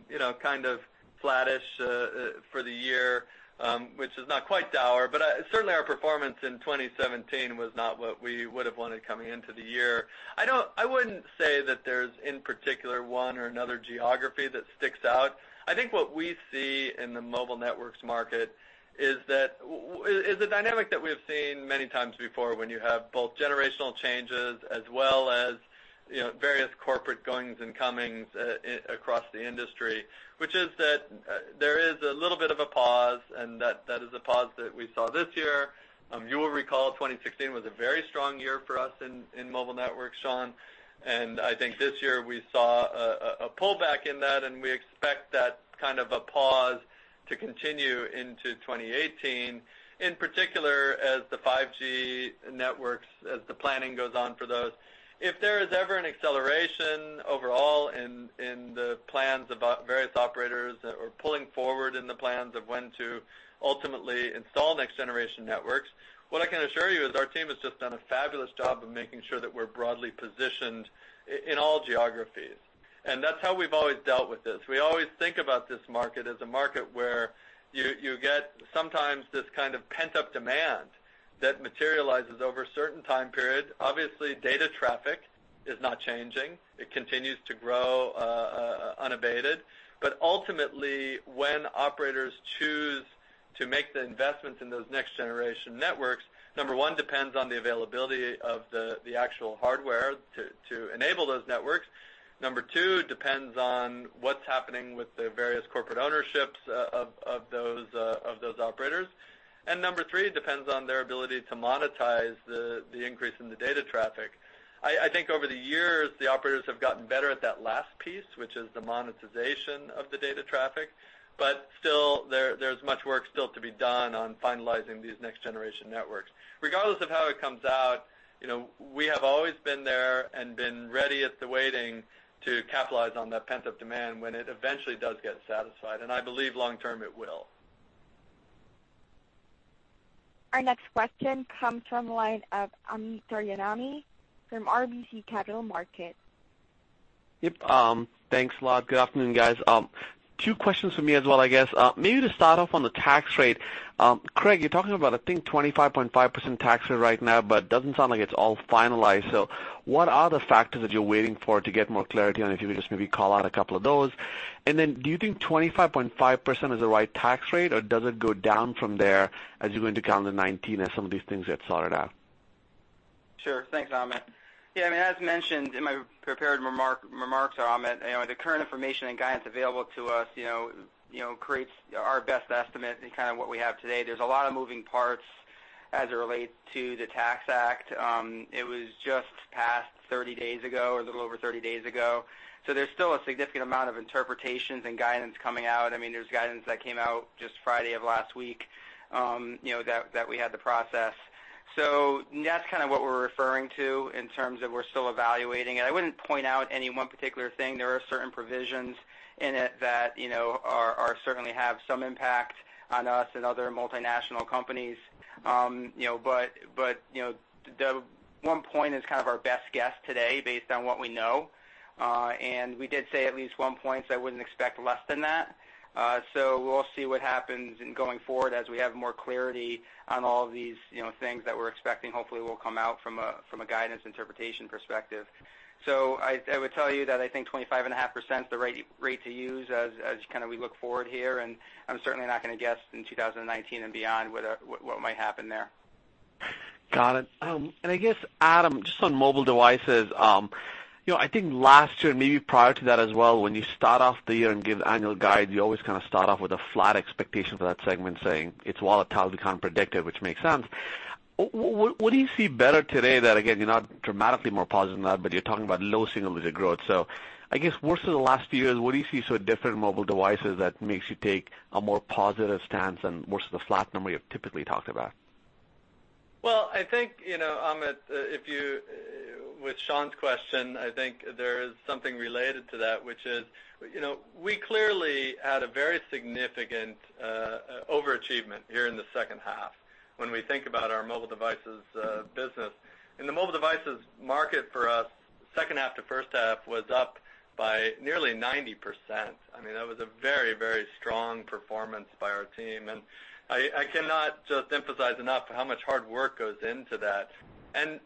you know, kind of flattish, for the year, which is not quite dour, but certainly our performance in 2017 was not what we would have wanted coming into the year. I wouldn't say that there's, in particular, one or another geography that sticks out. I think what we see in the mobile networks market is that is a dynamic that we have seen many times before when you have both generational changes as well as, you know, various corporate goings and comings across the industry, which is that there is a little bit of a pause, and that is a pause that we saw this year. You will recall, 2016 was a very strong year for us in mobile networks, Shawn, and I think this year we saw a pullback in that, and we expect that kind of a pause to continue into 2018, in particular as the 5G networks, as the planning goes on for those. If there is ever an acceleration overall in the plans of various operators or pulling forward in the plans of when to ultimately install next generation networks, what I can assure you is our team has just done a fabulous job of making sure that we're broadly positioned in all geographies, and that's how we've always dealt with this. We always think about this market as a market where you get sometimes this kind of pent-up demand that materializes over a certain time period. Obviously, data traffic is not changing. It continues to grow unabated. But ultimately, when operators choose to make the investments in those next generation networks, number one, depends on the availability of the actual hardware to enable those networks. Number two, depends on what's happening with the various corporate ownerships of those operators. And number three, depends on their ability to monetize the increase in the data traffic. I think over the years, the operators have gotten better at that last piece, which is the monetization of the data traffic, but still, there's much work still to be done on finalizing these next generation networks. Regardless of how it comes out, you know, we have always been there and been ready and waiting to capitalize on that pent-up demand when it eventually does get satisfied, and I believe long term, it will. Our next question comes from the line of Amit Daryanani from RBC Capital Markets. Yep, thanks a lot. Good afternoon, guys. Two questions for me as well, I guess. Maybe to start off on the tax rate. Craig, you're talking about, I think, 25.5% tax rate right now, but it doesn't sound like it's all finalized. So what are the factors that you're waiting for to get more clarity on, if you could just maybe call out a couple of those? And then, do you think 25.5% is the right tax rate, or does it go down from there as you're going into 2019 as some of these things get sorted out?... Sure. Thanks, Amit. Yeah, I mean, as mentioned in my prepared remarks, Amit, you know, the current information and guidance available to us, you know, creates our best estimate and kind of what we have today. There's a lot of moving parts as it relates to the Tax Act. It was just passed 30 days ago, a little over 30 days ago, so there's still a significant amount of interpretations and guidance coming out. I mean, there's guidance that came out just Friday of last week, you know, that we had to process. So that's kind of what we're referring to in terms of we're still evaluating it. I wouldn't point out any one particular thing. There are certain provisions in it that, you know, are certainly have some impact on us and other multinational companies. You know, but, but, you know, the 1 point is kind of our best guess today based on what we know. And we did say at least 1 point, so I wouldn't expect less than that. So we'll see what happens going forward as we have more clarity on all of these, you know, things that we're expecting, hopefully, will come out from a, from a guidance interpretation perspective. So I, I would tell you that I think 25.5% is the rate, rate to use as, as kind of we look forward here, and I'm certainly not gonna guess in 2019 and beyond, what, what, what might happen there. Got it. And I guess, Adam, just on mobile devices, you know, I think last year, maybe prior to that as well, when you start off the year and give annual guide, you always kind of start off with a flat expectation for that segment, saying it's volatile, we can't predict it, which makes sense. What do you see better today that, again, you're not dramatically more positive than that, but you're talking about low single digit growth? So I guess versus the last few years, what do you see so different in mobile devices that makes you take a more positive stance than versus the flat number you've typically talked about? Well, I think, you know, Amit, if you... With Shawn's question, I think there is something related to that, which is, you know, we clearly had a very significant overachievement here in the second half when we think about our mobile devices business. In the mobile devices market for us, second half to first half was up by nearly 90%. I mean, that was a very, very strong performance by our team, and I, I cannot just emphasize enough how much hard work goes into that. And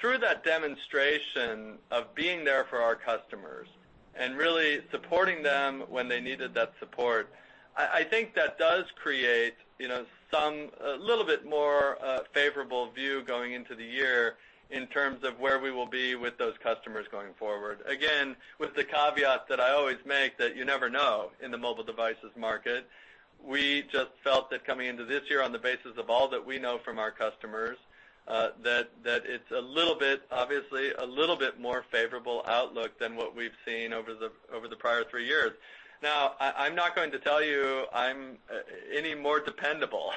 through that demonstration of being there for our customers and really supporting them when they needed that support, I, I think that does create, you know, some, a little bit more favorable view going into the year in terms of where we will be with those customers going forward. Again, with the caveat that I always make, that you never know in the mobile devices market. We just felt that coming into this year, on the basis of all that we know from our customers, that it's a little bit, obviously, a little bit more favorable outlook than what we've seen over the prior three years. Now, I'm not going to tell you I'm any more dependable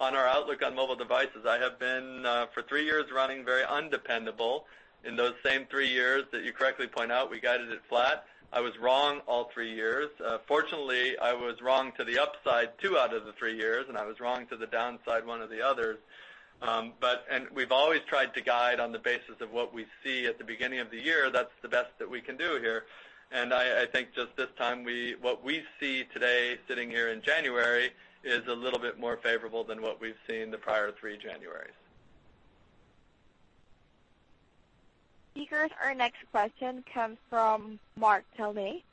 on our outlook on mobile devices. I have been for three years running, very undependable in those same three years that you correctly point out, we guided it flat. I was wrong all three years. Fortunately, I was wrong to the upside, two out of the three years, and I was wrong to the downside, one of the others. But... We've always tried to guide on the basis of what we see at the beginning of the year. That's the best that we can do here. I, I think just this time, what we see today, sitting here in January, is a little bit more favorable than what we've seen the prior three Januaries. Speakers, our next question comes from Mark Delaney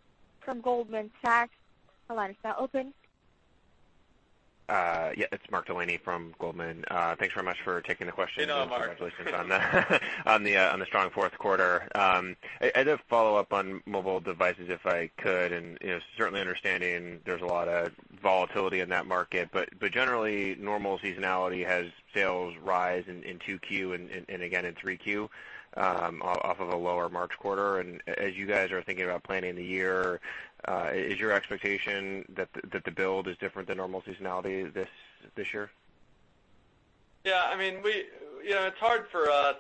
from Goldman Sachs. The line is now open. Yeah, it's Mark Delaney from Goldman. Thanks very much for taking the question- Hello, Mark. And congratulations on the strong Q4. I just follow up on mobile devices, if I could, and, you know, certainly understanding there's a lot of volatility in that market, but generally, normal seasonality has sales rise in Q2 and again in Q3, off of a lower March quarter. And as you guys are thinking about planning the year, is your expectation that the build is different than normal seasonality this year? Yeah, I mean, we... You know, it's hard for us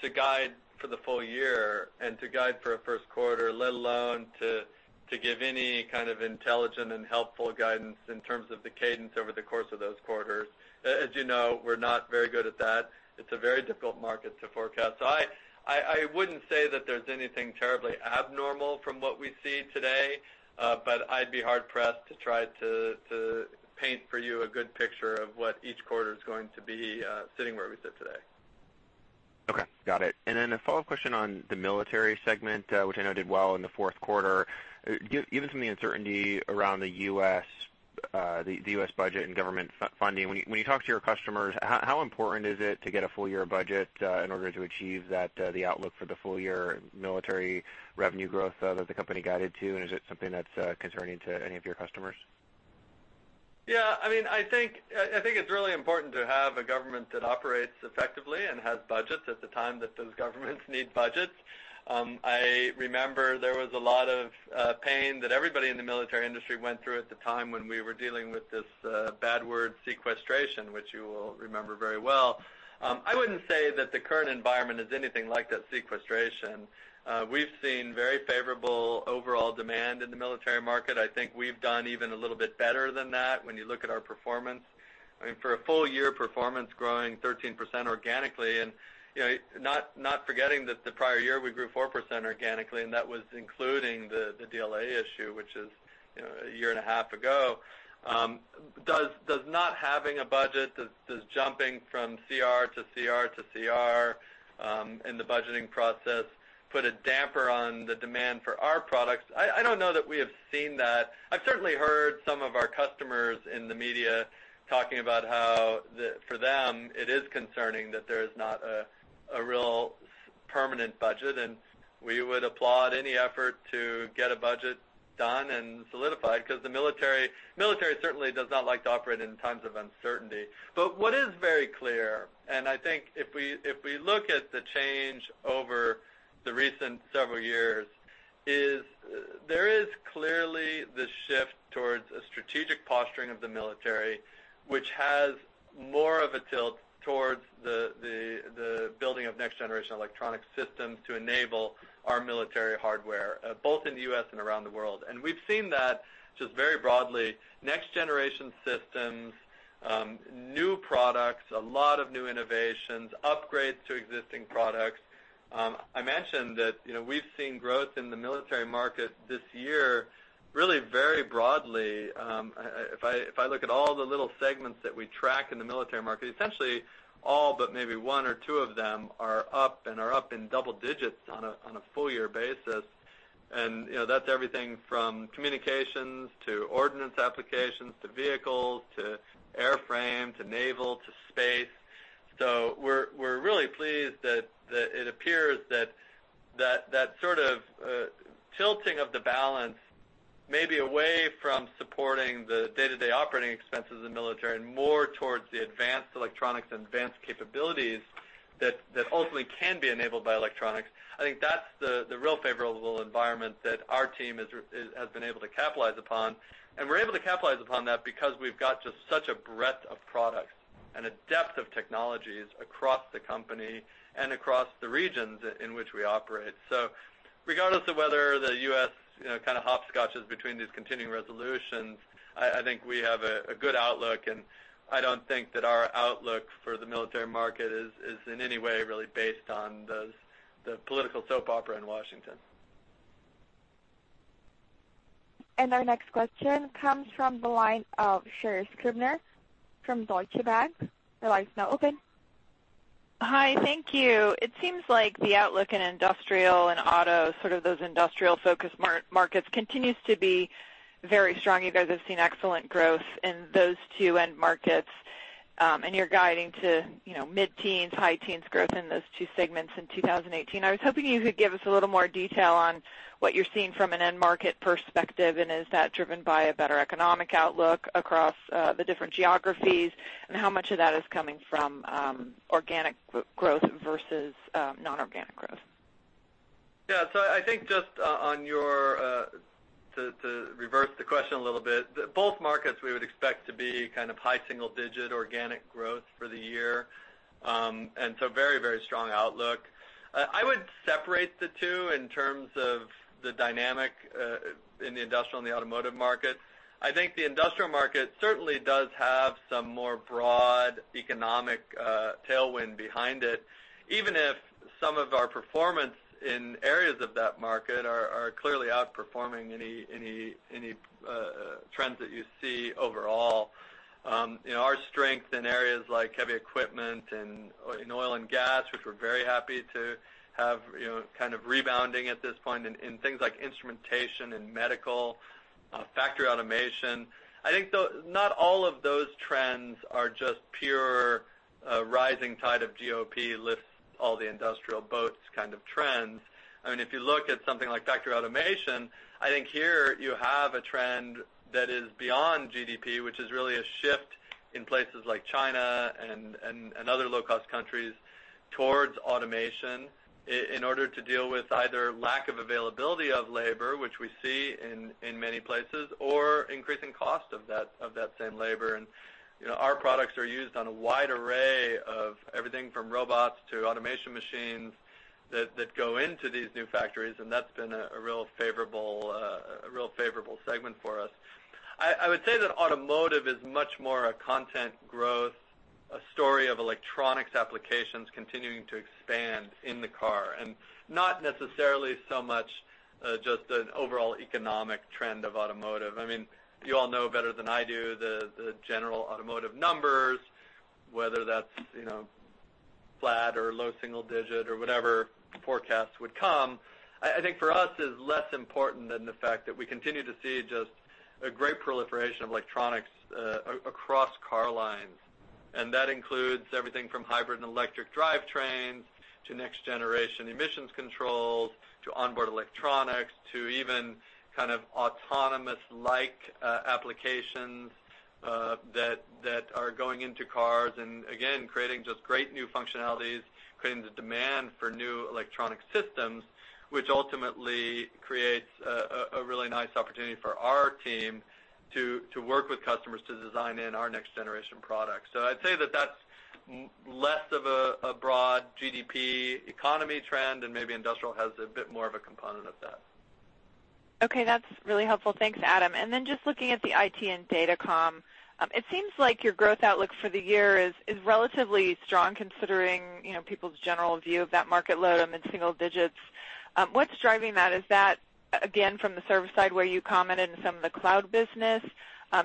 to guide for the full year and to guide for a Q1, let alone to give any kind of intelligent and helpful guidance in terms of the cadence over the course of those quarters. As you know, we're not very good at that. It's a very difficult market to forecast. So I wouldn't say that there's anything terribly abnormal from what we see today, but I'd be hard pressed to try to paint for you a good picture of what each quarter is going to be, sitting where we sit today. Okay, got it. And then a follow-up question on the military segment, which I know did well in the Q4. Given some of the uncertainty around the U.S., the U.S. budget and government funding, when you talk to your customers, how important is it to get a full year budget in order to achieve that, the outlook for the full year military revenue growth that the company guided to? And is it something that's concerning to any of your customers? Yeah, I mean, I think it's really important to have a government that operates effectively and has budgets at the time that those governments need budgets. I remember there was a lot of pain that everybody in the military industry went through at the time when we were dealing with this bad word, Sequestration, which you will remember very well. I wouldn't say that the current environment is anything like that Sequestration. We've seen very favorable overall demand in the military market. I think we've done even a little bit better than that when you look at our performance. I mean, for a full year performance growing 13% organically, and, you know, not forgetting that the prior year we grew 4% organically, and that was including the DLA issue, which is, you know, a year and a half ago. Does not having a budget, jumping from CR to CR to CR, in the budgeting process, put a damper on the demand for our products? I don't know that we have seen that. I've certainly heard some of our customers in the media talking about how... it is concerning that there is not a real permanent budget, and we would applaud any effort to get a budget done and solidified, because the military certainly does not like to operate in times of uncertainty. But what is very clear, and I think if we look at the change over the recent several years, is there is clearly the shift towards a strategic posturing of the military, which has more of a tilt towards the building of next-generation electronic systems to enable our military hardware, both in the U.S. and around the world. And we've seen that just very broadly, next-generation systems, new products, a lot of new innovations, upgrades to existing products. I mentioned that, you know, we've seen growth in the military market this year, really very broadly. If I look at all the little segments that we track in the military market, essentially all, but maybe one or two of them are up, and are up in double digits on a full year basis. You know, that's everything from communications to ordnance applications, to vehicles, to airframe, to naval, to space. So we're really pleased that it appears that that sort of tilting of the balance may be away from supporting the day-to-day operating expenses of the military and more towards the advanced electronics and advanced capabilities that ultimately can be enabled by electronics. I think that's the real favorable environment that our team has been able to capitalize upon. And we're able to capitalize upon that because we've got just such a breadth of products and a depth of technologies across the company and across the regions in which we operate. So regardless of whether the U.S., you know, kind of hopscotches between these continuing resolutions, I think we have a good outlook, and I don't think that our outlook for the military market is in any way really based on the political soap opera in Washington. Our next question comes from the line of Sherri Scribner from Deutsche Bank. The line is now open. Hi, thank you. It seems like the outlook in industrial and auto, sort of those industrial-focused markets, continues to be very strong. You guys have seen excellent growth in those two end markets, and you're guiding to, you know, mid-teens, high teens growth in those two segments in 2018. I was hoping you could give us a little more detail on what you're seeing from an end market perspective, and is that driven by a better economic outlook across the different geographies? And how much of that is coming from organic growth versus non-organic growth? Yeah. So I think just on your to reverse the question a little bit, both markets we would expect to be kind of high single digit organic growth for the year. And so very, very strong outlook. I would separate the two in terms of the dynamic in the industrial and the automotive market. I think the industrial market certainly does have some more broad economic tailwind behind it, even if some of our performance in areas of that market are clearly outperforming any trends that you see overall. You know, our strength in areas like heavy equipment and in oil and gas, which we're very happy to have, you know, kind of rebounding at this point in things like instrumentation and medical factory automation. I think though not all of those trends are just pure, rising tide of GOP lifts all the industrial boats kind of trends. I mean, if you look at something like factory automation, I think here you have a trend that is beyond GDP, which is really a shift in places like China and other low-cost countries towards automation in order to deal with either lack of availability of labor, which we see in many places, or increasing cost of that same labor. And, you know, our products are used on a wide array of everything from robots to automation machines that go into these new factories, and that's been a real favorable segment for us. I would say that automotive is much more a content growth, a story of electronics applications continuing to expand in the car, and not necessarily so much, just an overall economic trend of automotive. I mean, you all know better than I do, the general automotive numbers, whether that's, you know, flat or low single digit or whatever forecasts would come. I think for us, is less important than the fact that we continue to see just a great proliferation of electronics across car lines. And that includes everything from hybrid and electric drivetrains, to next-generation emissions controls, to onboard electronics, to even kind of autonomous-like applications that are going into cars, and again, creating just great new functionalities, creating the demand for new electronic systems, which ultimately creates a really nice opportunity for our team to work with customers to design in our next-generation products. So I'd say that that's less of a broad GDP economy trend, and maybe industrial has a bit more of a component of that. Okay, that's really helpful. Thanks, Adam. And then just looking at the IT and datacom, it seems like your growth outlook for the year is, is relatively strong, considering, you know, people's general view of that market low to mid single digits. What's driving that? Is that, again, from the service side, where you commented on some of the cloud business,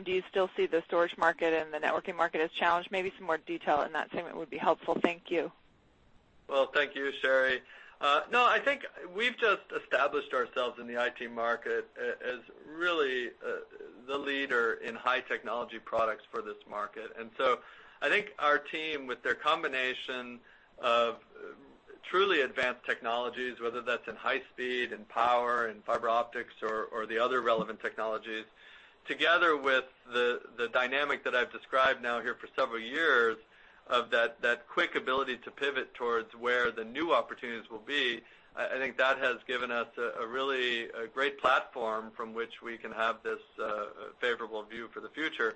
do you still see the storage market and the networking market as challenged? Maybe some more detail in that segment would be helpful. Thank you.... Well, thank you, Sherri. No, I think we've just established ourselves in the IT market as really the leader in high technology products for this market. And so I think our team, with their combination of truly advanced technologies, whether that's in high speed, in power, in fiber optics, or the other relevant technologies, together with the dynamic that I've described now here for several years, of that quick ability to pivot towards where the new opportunities will be, I think that has given us a really great platform from which we can have this favorable view for the future.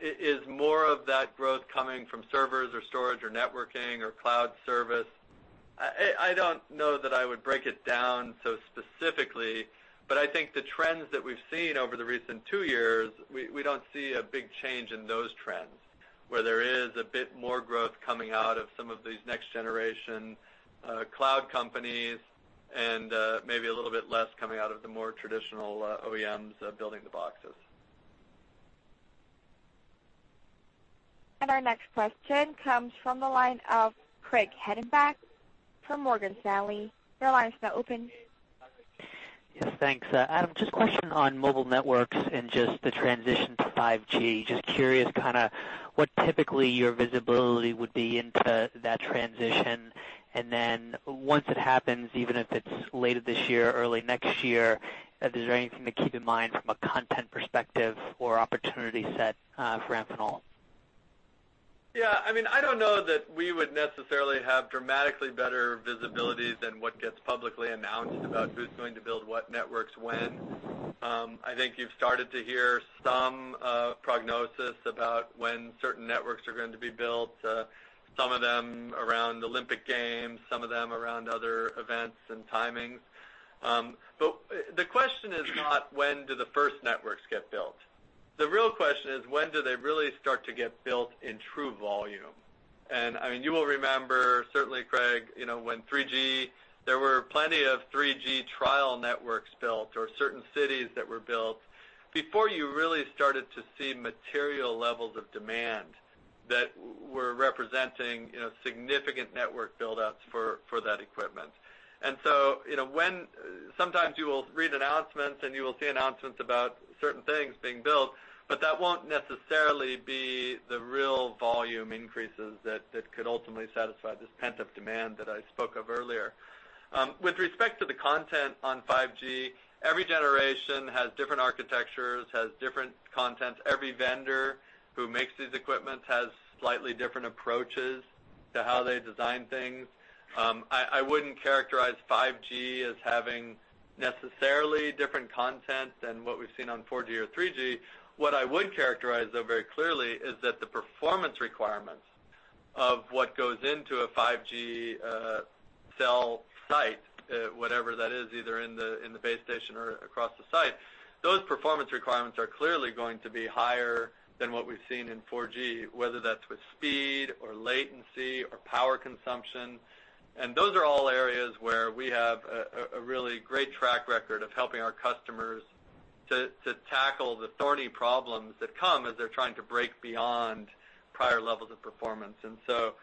Is more of that growth coming from servers or storage or networking or cloud service? I don't know that I would break it down so specifically, but I think the trends that we've seen over the recent two years, we don't see a big change in those trends, where there is a bit more growth coming out of some of these next generation cloud companies and maybe a little bit less coming out of the more traditional OEMs building the boxes. Our next question comes from the line of Craig Hettenbach from Morgan Stanley. Your line is now open. Yes, thanks. Adam, just a question on mobile networks and just the transition to 5G. Just curious, kinda, what typically your visibility would be into that transition? And then once it happens, even if it's later this year or early next year, is there anything to keep in mind from a content perspective or opportunity set, for Amphenol? Yeah, I mean, I don't know that we would necessarily have dramatically better visibility than what gets publicly announced about who's going to build what networks when. I think you've started to hear some prognosis about when certain networks are going to be built, some of them around Olympic Games, some of them around other events and timings. But the question is not when do the first networks get built? The real question is: when do they really start to get built in true volume? And, I mean, you will remember, certainly, Craig, you know, when 3G, there were plenty of 3G trial networks built or certain cities that were built before you really started to see material levels of demand that were representing, you know, significant network buildouts for, for that equipment. And so, you know, when... Sometimes you will read announcements, and you will see announcements about certain things being built, but that won't necessarily be the real volume increases that could ultimately satisfy this pent-up demand that I spoke of earlier. With respect to the content on 5G, every generation has different architectures, has different content. Every vendor who makes this equipment has slightly different approaches to how they design things. I wouldn't characterize 5G as having necessarily different content than what we've seen on 4G or 3G. What I would characterize, though, very clearly, is that the performance requirements of what goes into a 5G cell site, whatever that is, either in the base station or across the site, those performance requirements are clearly going to be higher than what we've seen in 4G, whether that's with speed or latency or power consumption. And those are all areas where we have a really great track record of helping our customers to tackle the thorny problems that come as they're trying to break beyond prior levels of performance. And so,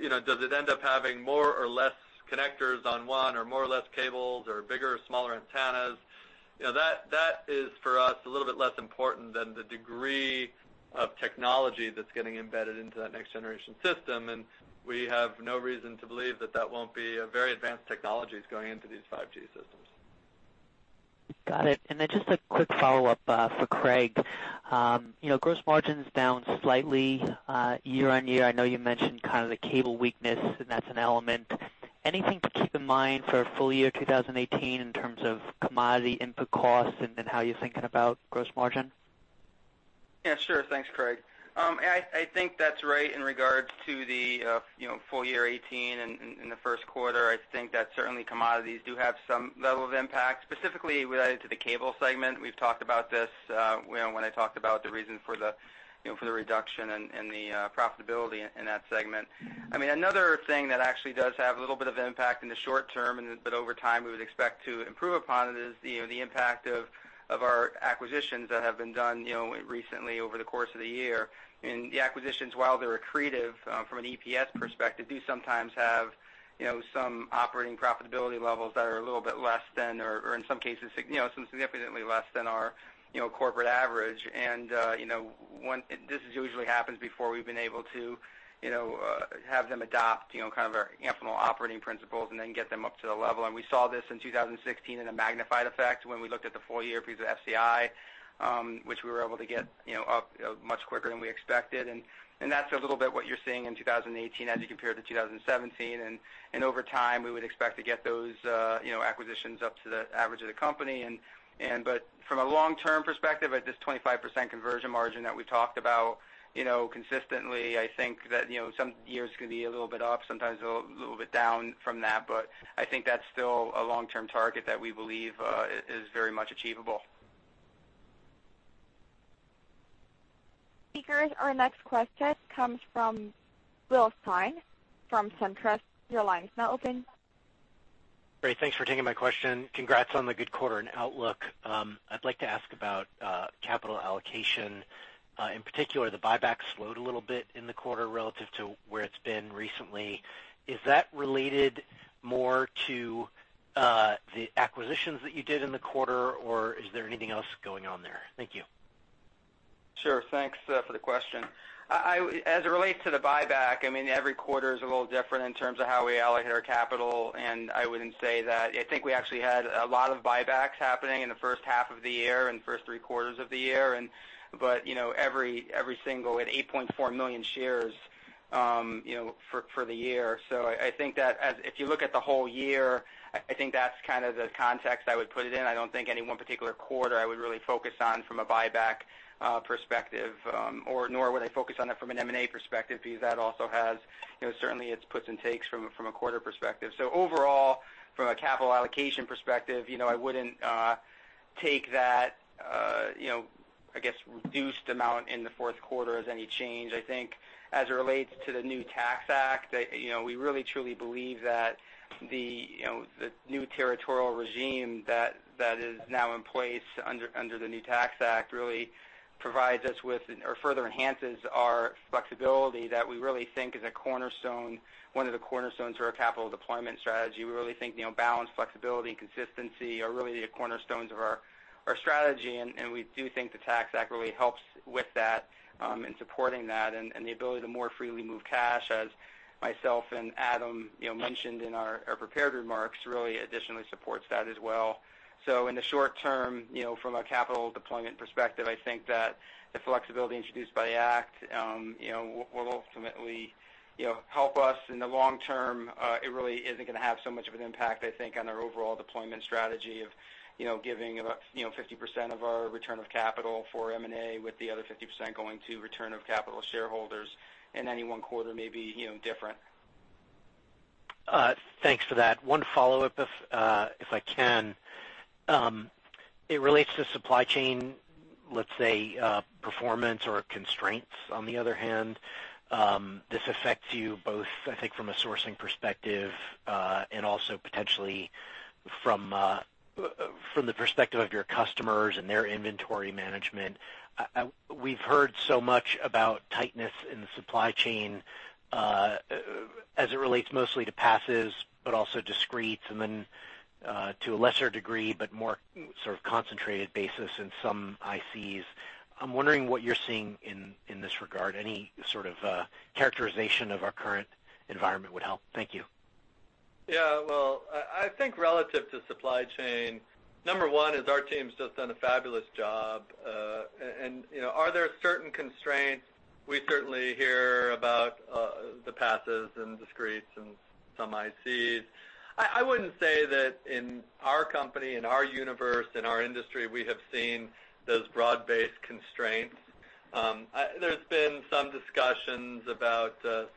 you know, does it end up having more or less connectors on one, or more or less cables, or bigger or smaller antennas? You know, that is, for us, a little bit less important than the degree of technology that's getting embedded into that next-generation system, and we have no reason to believe that that won't be a very advanced technologies going into these 5G systems. Got it. And then just a quick follow-up for Craig. You know, gross margins down slightly year-over-year. I know you mentioned kind of the cable weakness, and that's an element. Anything to keep in mind for full year 2018 in terms of commodity input costs and how you're thinking about gross margin? Yeah, sure. Thanks, Craig. I think that's right in regards to the you know, full year 2018 and the Q1. I think that certainly commodities do have some level of impact, specifically related to the cable segment. We've talked about this, you know, when I talked about the reason for the you know, for the reduction and the profitability in that segment. I mean, another thing that actually does have a little bit of impact in the short term, but over time, we would expect to improve upon it, is you know, the impact of our acquisitions that have been done you know, recently over the course of the year. And the acquisitions, while they're accretive, from an EPS perspective, do sometimes have, you know, some operating profitability levels that are a little bit less than, or in some cases, you know, some significantly less than our, you know, corporate average. And, you know, this usually happens before we've been able to, you know, have them adopt, you know, kind of our Amphenol operating principles and then get them up to the level. And we saw this in 2016 in a magnified effect when we looked at the full year piece of FCI, which we were able to get, you know, up much quicker than we expected, and that's a little bit what you're seeing in 2018 as you compare to 2017. Over time, we would expect to get those, you know, acquisitions up to the average of the company. But from a long-term perspective, at this 25% conversion margin that we talked about, you know, consistently, I think that, you know, some years are gonna be a little bit up, sometimes a little bit down from that, but I think that's still a long-term target that we believe is very much achievable. Speakers, our next question comes from William Stein from SunTrust. Your line is now open. Great, thanks for taking my question. Congrats on the good quarter and outlook. I'd like to ask about capital allocation. In particular, the buyback slowed a little bit in the quarter relative to where it's been recently. Is that related more to the acquisitions that you did in the quarter, or is there anything else going on there? Thank you. Sure. Thanks for the question. I... As it relates to the buyback, I mean, every quarter is a little different in terms of how we allocate our capital, and I wouldn't say that—I think we actually had a lot of buybacks happening in the first half of the year and first three quarters of the year and, but, you know, every, every single at 8.4 million shares, you know, for, for the year. So I, I think that as—if you look at the whole year, I, I think that's kind of the context I would put it in. I don't think any one particular quarter I would really focus on from a buyback perspective, or nor would I focus on it from an M&A perspective, because that also has, you know, certainly its puts and takes from a quarter perspective. So overall, from a capital allocation perspective, you know, I wouldn't take that, you know, I guess, reduced amount in the Q4 as any change. I think as it relates to the new Tax Act, you know, we really truly believe that the, you know, the new territorial regime that is now in place under the new Tax Act, really provides us with, or further enhances our flexibility that we really think is a cornerstone, one of the cornerstones of our capital deployment strategy. We really think, you know, balance, flexibility, and consistency are really the cornerstones of our strategy, and we do think the Tax Act really helps with that in supporting that, and the ability to more freely move cash, as myself and Adam, you know, mentioned in our prepared remarks, really additionally supports that as well. So in the short term, you know, from a capital deployment perspective, I think that the flexibility introduced by the act, you know, will ultimately, you know, help us. In the long term, it really isn't gonna have so much of an impact, I think, on our overall deployment strategy of, you know, giving about, you know, 50% of our return of capital for M&A, with the other 50% going to return of capital shareholders, and any one quarter maybe, you know, different. Thanks for that. One follow-up, if I can. It relates to supply chain, let's say, performance or constraints, on the other hand. This affects you both, I think, from a sourcing perspective, and also potentially from, from the perspective of your customers and their inventory management. We've heard so much about tightness in the supply chain, as it relates mostly to passives, but also discretes, and then, to a lesser degree, but more sort of concentrated basis in some ICs. I'm wondering what you're seeing in this regard. Any sort of characterization of our current environment would help. Thank you. Yeah, well, I think relative to supply chain, number one is our team's just done a fabulous job. And, you know, are there certain constraints? We certainly hear about the passives and discretes and some ICs. I wouldn't say that in our company, in our universe, in our industry, we have seen those broad-based constraints. There's been some discussions about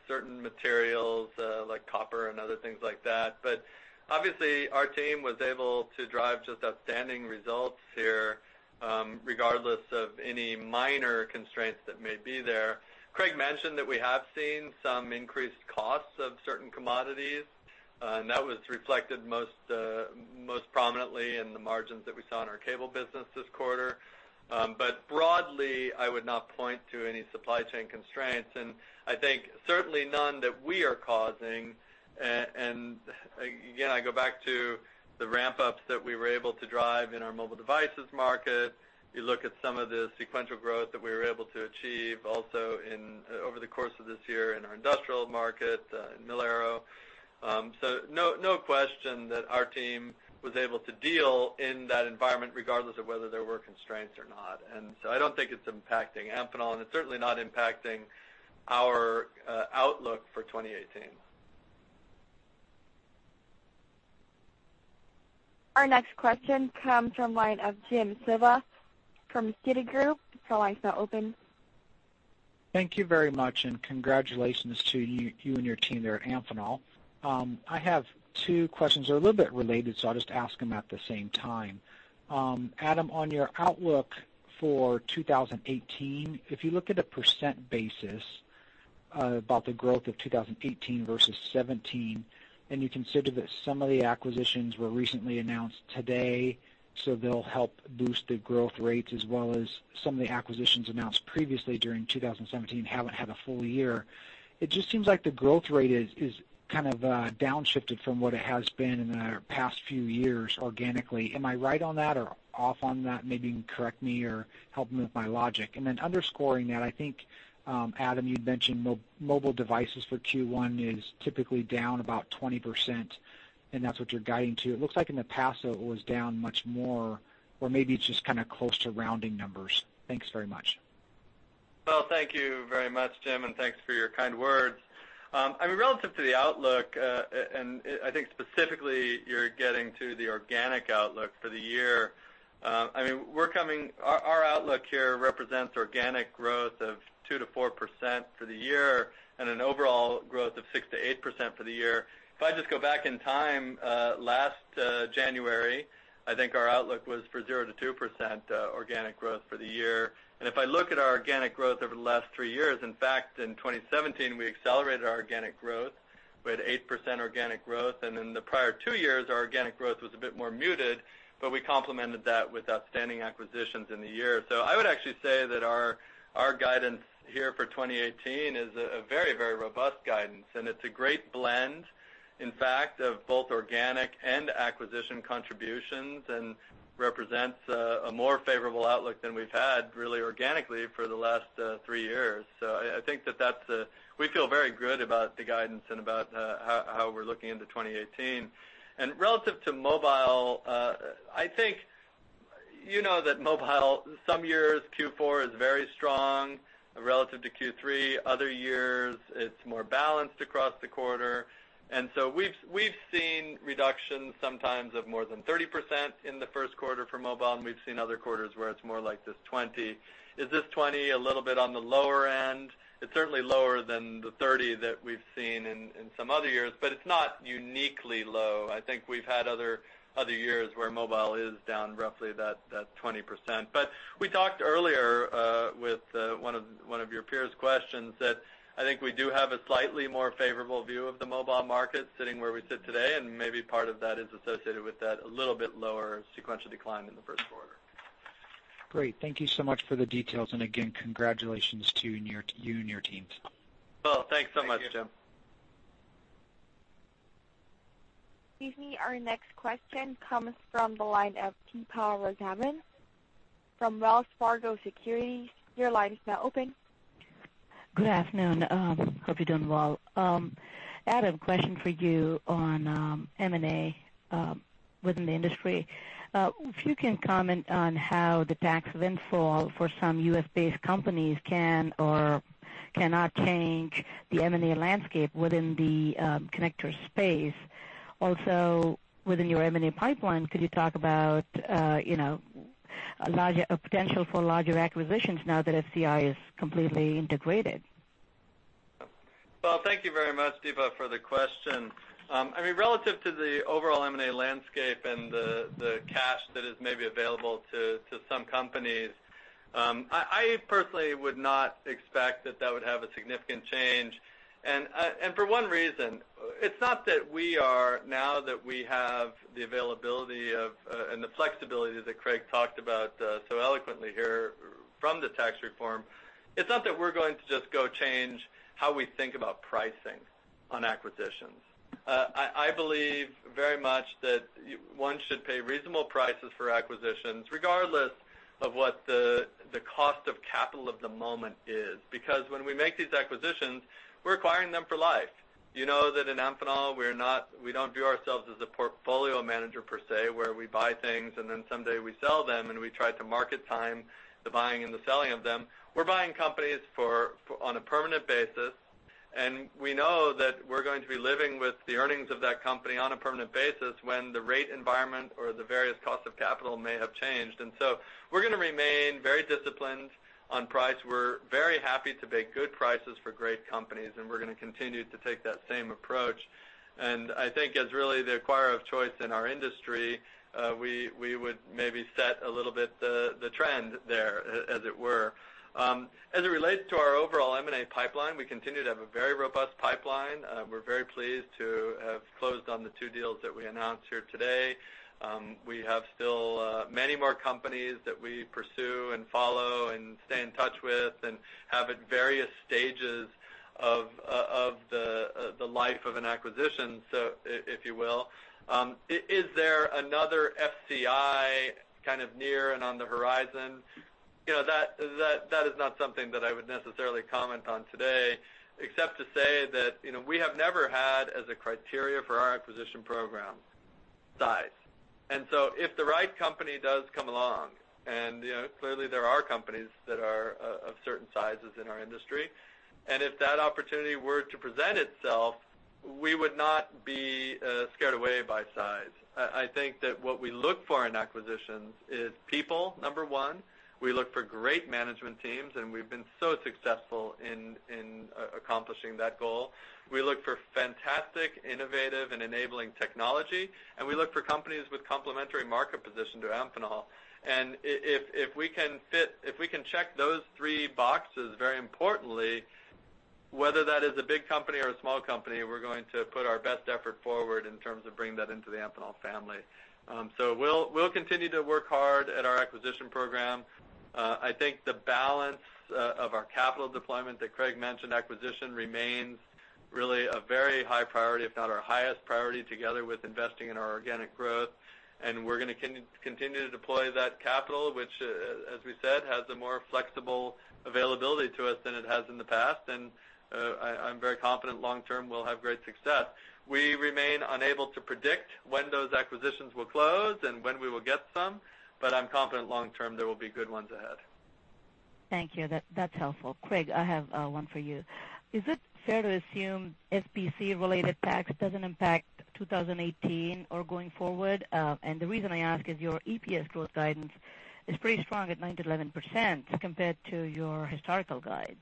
certain materials like copper and other things like that, but obviously, our team was able to drive just outstanding results here, regardless of any minor constraints that may be there. Craig mentioned that we have seen some increased costs of certain commodities, and that was reflected most prominently in the margins that we saw in our cable business this quarter. But broadly, I would not point to any supply chain constraints, and I think certainly none that we are causing. And again, I go back to the ramp-ups that we were able to drive in our mobile devices market. You look at some of the sequential growth that we were able to achieve also in, over the course of this year in our industrial market, in Mil-Aero. So no, no question that our team was able to deal in that environment, regardless of whether there were constraints or not. And so I don't think it's impacting Amphenol, and it's certainly not impacting our, outlook for 2018. Our next question comes from line of Jim Suva from Citigroup. Your line is now open. Thank you very much, and congratulations to you, you and your team there at Amphenol. I have two questions. They're a little bit related, so I'll just ask them at the same time. Adam, on your outlook for 2018, if you look at a % basis, about the growth of 2018 versus 2017, and you consider that some of the acquisitions were recently announced today, so they'll help boost the growth rates, as well as some of the acquisitions announced previously during 2017, haven't had a full year. It just seems like the growth rate is kind of downshifted from what it has been in the past few years organically. Am I right on that or off on that? Maybe you can correct me or help me with my logic. And then underscoring that, I think, Adam, you'd mentioned mobile devices for Q1 is typically down about 20%, and that's what you're guiding to. It looks like in the past, though, it was down much more, or maybe it's just kinda close to rounding numbers. Thanks very much. Well, thank you very much, Jim, and thanks for your kind words. I mean, relative to the outlook, and I think specifically, you're getting to the organic outlook for the year. I mean, our outlook here represents organic growth of 2%-4% for the year and an overall growth of 6%-8% for the year. If I just go back in time, last January-... I think our outlook was for 0%-2%, organic growth for the year. And if I look at our organic growth over the last three years, in fact, in 2017, we accelerated our organic growth. We had 8% organic growth, and in the prior two years, our organic growth was a bit more muted, but we complemented that with outstanding acquisitions in the year. So I would actually say that our guidance here for 2018 is a very, very robust guidance, and it's a great blend, in fact, of both organic and acquisition contributions, and represents a more favorable outlook than we've had really organically for the last three years. So I think that that's we feel very good about the guidance and about how we're looking into 2018. And relative to mobile, I think, you know that mobile, some years Q4 is very strong relative to Q3, other years it's more balanced across the quarter. And so we've seen reductions sometimes of more than 30% in the Q1 for mobile, and we've seen other quarters where it's more like this 20. Is this 20 a little bit on the lower end? It's certainly lower than the 30 that we've seen in some other years, but it's not uniquely low. I think we've had other years where mobile is down roughly that 20%. But we talked earlier with one of your peers' questions, that I think we do have a slightly more favorable view of the mobile market sitting where we sit today, and maybe part of that is associated with that a little bit lower sequential decline in the Q1. Great. Thank you so much for the details, and again, congratulations to you and your, you and your teams. Well, thanks so much, Jim. Excuse me, our next question comes from the line of Deepa Raghavan from Wells Fargo Securities. Your line is now open. Good afternoon. Hope you're doing well. Adam, question for you on M&A within the industry. If you can comment on how the tax windfall for some U.S.-based companies can or cannot change the M&A landscape within the connector space. Also, within your M&A pipeline, could you talk about, you know, a potential for larger acquisitions now that FCI is completely integrated? Well, thank you very much, Deepa, for the question. I mean, relative to the overall M&A landscape and the cash that is maybe available to some companies, I personally would not expect that would have a significant change. And for one reason, it's not that we are, now that we have the availability of and the flexibility that Craig talked about so eloquently here from the tax reform, it's not that we're going to just go change how we think about pricing on acquisitions. I believe very much that one should pay reasonable prices for acquisitions, regardless of what the cost of capital of the moment is. Because when we make these acquisitions, we're acquiring them for life. You know that in Amphenol, we're not, we don't view ourselves as a portfolio manager per se, where we buy things and then someday we sell them, and we try to market time the buying and the selling of them. We're buying companies for, on a permanent basis, and we know that we're going to be living with the earnings of that company on a permanent basis when the rate environment or the various costs of capital may have changed. And so we're gonna remain very disciplined on price. We're very happy to pay good prices for great companies, and we're gonna continue to take that same approach. And I think as really the acquirer of choice in our industry, we would maybe set a little bit the trend there, as it were. As it relates to our overall M&A pipeline, we continue to have a very robust pipeline. We're very pleased to have closed on the two deals that we announced here today. We have still many more companies that we pursue and follow and stay in touch with and have at various stages of the life of an acquisition, so if you will. Is there another FCI kind of near and on the horizon? You know, that is not something that I would necessarily comment on today, except to say that, you know, we have never had as a criteria for our acquisition program, size. And so if the right company does come along, and, you know, clearly there are companies that are of certain sizes in our industry, and if that opportunity were to present itself, we would not be scared away by size. I think that what we look for in acquisitions is people, number one. We look for great management teams, and we've been so successful in accomplishing that goal. We look for fantastic, innovative, and enabling technology, and we look for companies with complementary market position to Amphenol. And if we can check those three boxes, very importantly, whether that is a big company or a small company, we're going to put our best effort forward in terms of bringing that into the Amphenol family. So we'll continue to work hard at our acquisition program. I think the balance of our capital deployment that Craig mentioned, acquisition remains really a very high priority, if not our highest priority, together with investing in our organic growth. We're gonna continue to deploy that capital, which, as we said, has a more flexible availability to us than it has in the past. I'm very confident long term we'll have great success. We remain unable to predict when those acquisitions will close and when we will get some, but I'm confident long term there will be good ones ahead. Thank you. That, that's helpful. Craig, I have one for you. Is it fair to assume SBC-related tax doesn't impact 2018 or going forward? And the reason I ask is your EPS growth guidance is pretty strong at 9%-11% compared to your historical guides. ...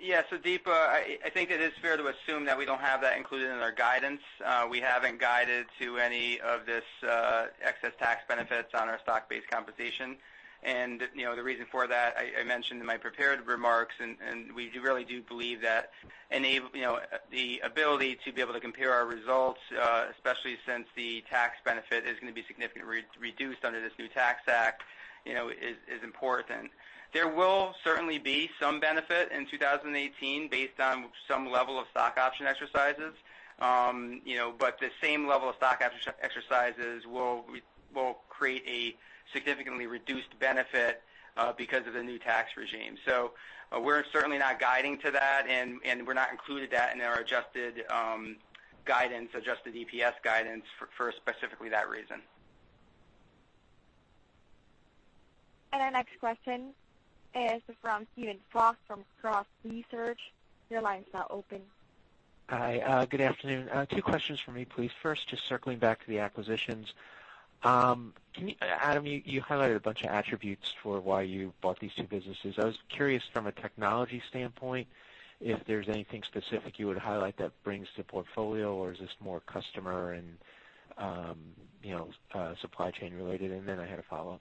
Yeah, so Deepa, I think it is fair to assume that we don't have that included in our guidance. We haven't guided to any of this excess tax benefits on our stock-based compensation. And, you know, the reason for that, I mentioned in my prepared remarks, and we do really do believe that you know, the ability to be able to compare our results, especially since the tax benefit is gonna be significantly reduced under this new tax act, you know, is important. There will certainly be some benefit in 2018 based on some level of stock option exercises. You know, but the same level of stock option exercises will create a significantly reduced benefit because of the new tax regime. So we're certainly not guiding to that, and we're not including that in our adjusted guidance, adjusted EPS guidance for specifically that reason. Our next question is from Steven Fox from Cross Research. Your line is now open. Hi, good afternoon. Two questions for me, please. First, just circling back to the acquisitions. Can you, Adam, you, you highlighted a bunch of attributes for why you bought these two businesses. I was curious from a technology standpoint, if there's anything specific you would highlight that brings to portfolio, or is this more customer and, you know, supply chain related? And then I had a follow-up.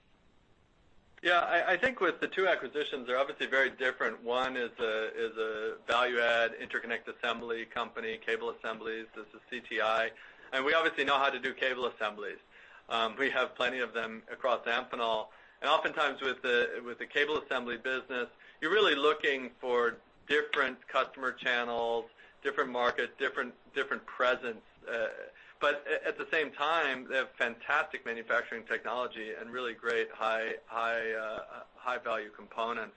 Yeah, I think with the two acquisitions, they're obviously very different. One is a value add interconnect assembly company, cable assemblies, this is CTI, and we obviously know how to do cable assemblies. We have plenty of them across Amphenol, and oftentimes with the cable assembly business, you're really looking for different customer channels, different markets, different presence. But at the same time, they have fantastic manufacturing technology and really great high value components.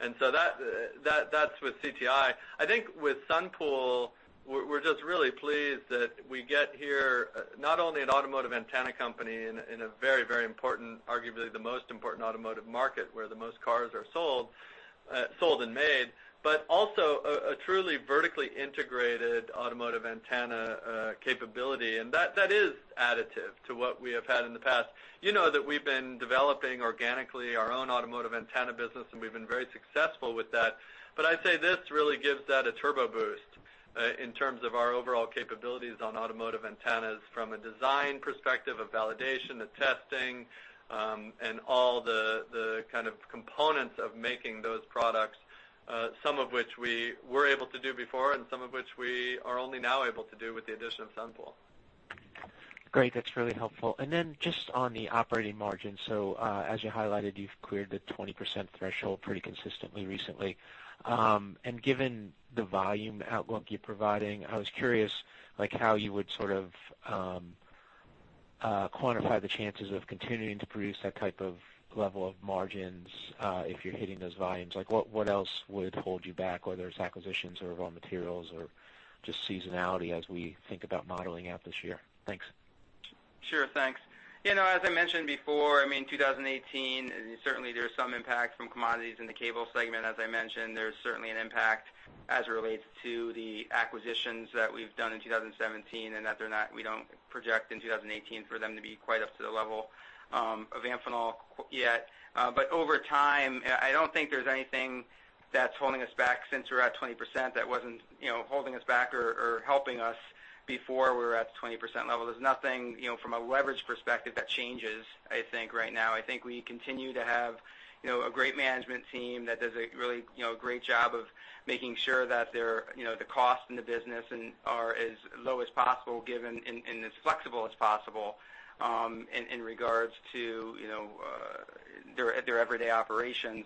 And so that's with CTI. I think with Sunpool, we're just really pleased that we get here, not only an automotive antenna company in a very, very important, arguably the most important automotive market, where the most cars are sold and made, but also a truly vertically integrated automotive antenna capability. That is additive to what we have had in the past. You know that we've been developing organically our own automotive antenna business, and we've been very successful with that. But I'd say this really gives that a turbo boost in terms of our overall capabilities on automotive antennas from a design perspective, a validation, a testing, and all the kind of components of making those products, some of which we were able to do before, and some of which we are only now able to do with the addition of Sunpool. Great, that's really helpful. And then just on the operating margin. So, as you highlighted, you've cleared the 20% threshold pretty consistently recently. And given the volume outlook you're providing, I was curious, like, how you would sort of quantify the chances of continuing to produce that type of level of margins, if you're hitting those volumes? Like, what else would hold you back, whether it's acquisitions or raw materials or just seasonality as we think about modeling out this year? Thanks. Sure, thanks. You know, as I mentioned before, I mean, 2018, certainly there is some impact from commodities in the cable segment. As I mentioned, there's certainly an impact as it relates to the acquisitions that we've done in 2017, and that they're not we don't project in 2018 for them to be quite up to the level of Amphenol yet. But over time, I, I don't think there's anything that's holding us back since we're at 20%, that wasn't, you know, holding us back or, or helping us before we were at the 20% level. There's nothing, you know, from a leverage perspective, that changes, I think, right now. I think we continue to have, you know, a great management team that does a really, you know, great job of making sure that they're, you know, the cost in the business and are as low as possible, given and as flexible as possible, in regards to, you know, their everyday operations.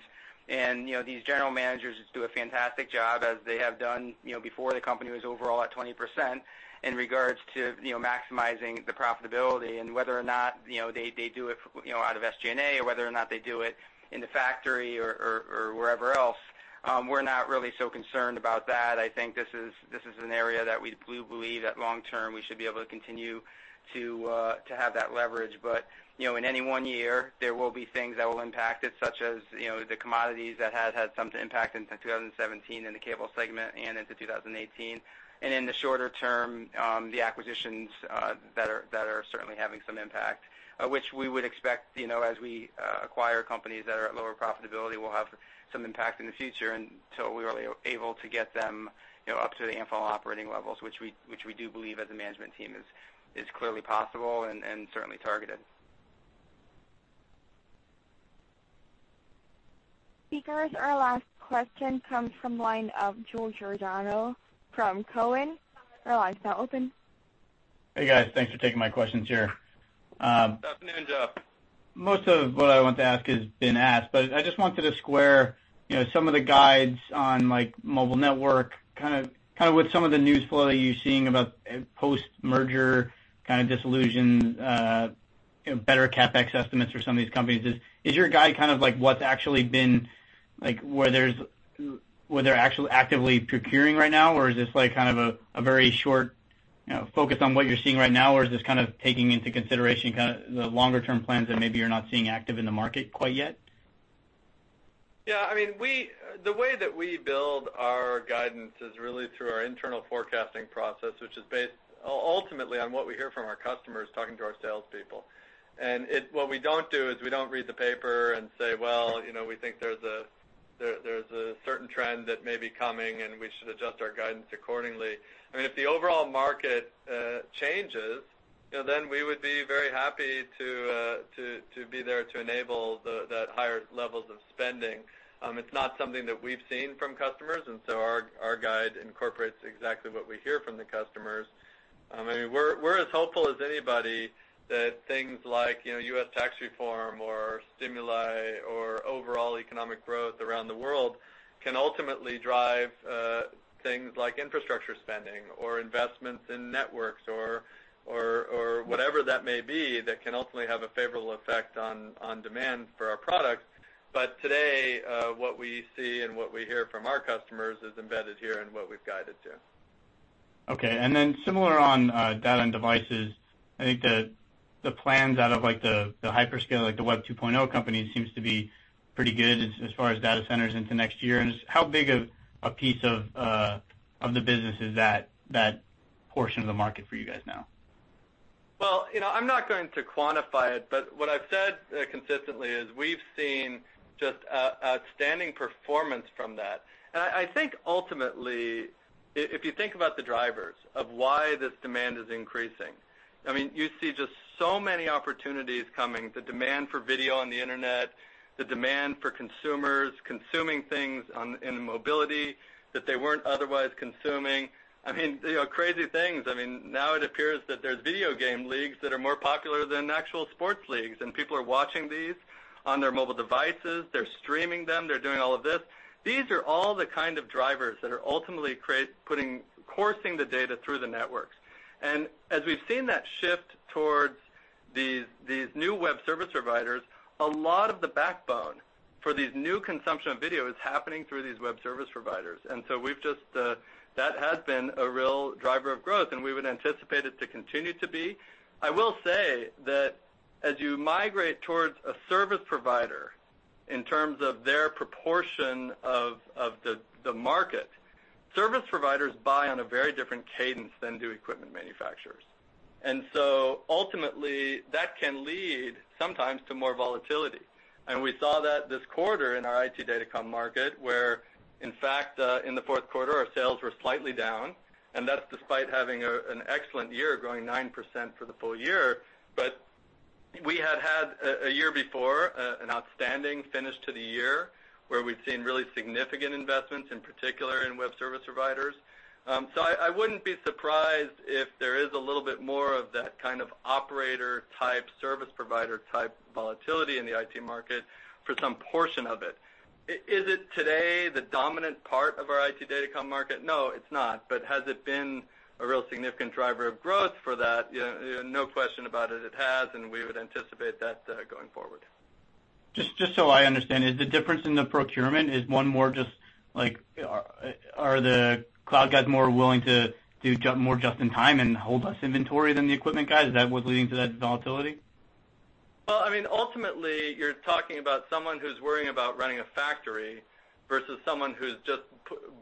You know, these general managers do a fantastic job, as they have done, you know, before the company was overall at 20%, in regards to, you know, maximizing the profitability and whether or not, you know, they do it, you know, out of SG&A, or whether or not they do it in the factory or wherever else. We're not really so concerned about that. I think this is, this is an area that we believe that long term, we should be able to continue to have that leverage. But, you know, in any one year, there will be things that will impact it, such as, you know, the commodities that have had some impact in 2017, in the cable segment and into 2018. And in the shorter term, the acquisitions that are certainly having some impact, which we would expect, you know, as we acquire companies that are at lower profitability, will have some impact in the future until we are able to get them, you know, up to the Amphenol operating levels, which we do believe as a management team is clearly possible and certainly targeted. Speakers our last question comes from the line of Joe Giordano from Cowen. Your line is now open. Hey, guys, thanks for taking my questions here. Good afternoon, Joe. Most of what I want to ask has been asked, but I just wanted to square, you know, some of the guides on, like, mobile network, kind of, kind of with some of the news flow that you're seeing about post-merger, kind of dissolution, you know, better CapEx estimates for some of these companies. Is your guide kind of like what's actually been... Like, where they're actually actively procuring right now, or is this like kind of a, a very short, you know, focus on what you're seeing right now, or is this kind of taking into consideration kind of the longer-term plans that maybe you're not seeing active in the market quite yet? Yeah, I mean, the way that we build our guidance is really through our internal forecasting process, which is based ultimately on what we hear from our customers, talking to our salespeople. What we don't do is we don't read the paper and say: Well, you know, we think there's a certain trend that may be coming, and we should adjust our guidance accordingly. I mean, if the overall market changes, you know, then we would be very happy to be there to enable that higher levels of spending. It's not something that we've seen from customers, and so our guide incorporates exactly what we hear from the customers. I mean, we're as hopeful as anybody that things like, you know, US tax reform or stimuli or overall economic growth around the world can ultimately drive things like infrastructure spending or investments in networks or, or, or whatever that may be, that can ultimately have a favorable effect on demand for our products. But today, what we see and what we hear from our customers is embedded here in what we've guided to. Okay, and then similar on data and devices, I think the plans out of, like, the hyperscale, like the Web 2.0 companies, seems to be pretty good as far as data centers into next year. And how big of a piece of the business is that portion of the market for you guys now? Well, you know, I'm not going to quantify it, but what I've said consistently is we've seen just outstanding performance from that. And I think ultimately, if you think about the drivers of why this demand is increasing, I mean, you see just so many opportunities coming. The demand for video on the internet, the demand for consumers consuming things on, in mobility that they weren't otherwise consuming. I mean, you know, crazy things. I mean, now it appears that there's video game leagues that are more popular than actual sports leagues, and people are watching these on their mobile devices. They're streaming them, they're doing all of this. These are all the kind of drivers that are ultimately putting, coursing the data through the networks. And as we've seen that shift towards these, these new web service providers, a lot of the backbone for these new consumption of video is happening through these web service providers. And so we've just. That has been a real driver of growth, and we would anticipate it to continue to be. I will say that as you migrate towards a service provider in terms of their proportion of, of the, the market, service providers buy on a very different cadence than do equipment manufacturers. And so ultimately, that can lead sometimes to more volatility. And we saw that this quarter in our IT data comm market, where, in fact, in the Q4, our sales were slightly down, and that's despite having an excellent year, growing 9% for the full year. But we had had a year before an outstanding finish to the year, where we've seen really significant investments, in particular, in web service providers. So I wouldn't be surprised if there is a little bit more of that kind of operator-type, service provider-type volatility in the IT market for some portion of it. Is it today the dominant part of our IT data comm market? No, it's not. But has it been a real significant driver of growth for that? Yeah, no question about it, it has, and we would anticipate that going forward. Just, just so I understand. Is the difference in the procurement is one more just, like, are the cloud guys more willing to do more just in time and hold less inventory than the equipment guys? Is that what's leading to that volatility? Well, I mean, ultimately, you're talking about someone who's worrying about running a factory versus someone who's just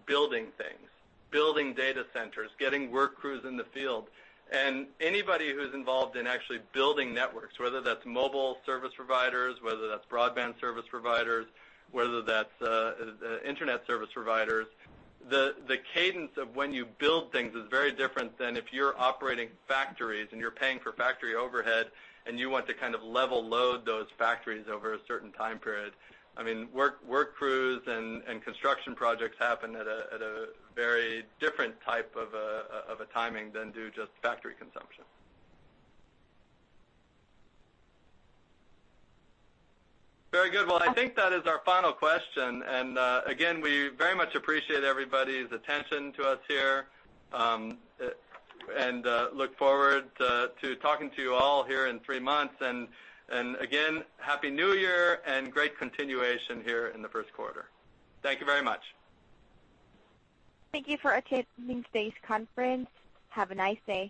building things, building data centers, getting work crews in the field. And anybody who's involved in actually building networks, whether that's mobile service providers, whether that's broadband service providers, whether that's internet service providers, the cadence of when you build things is very different than if you're operating factories, and you're paying for factory overhead, and you want to kind of level load those factories over a certain time period. I mean, work crews and construction projects happen at a very different type of timing than do just factory consumption. Very good. Well, I think that is our final question, and again, we very much appreciate everybody's attention to us here, and look forward to talking to you all here in three months. And again, Happy New Year and great continuation here in the Q1. Thank you very much. Thank you for attending today's conference. Have a nice day.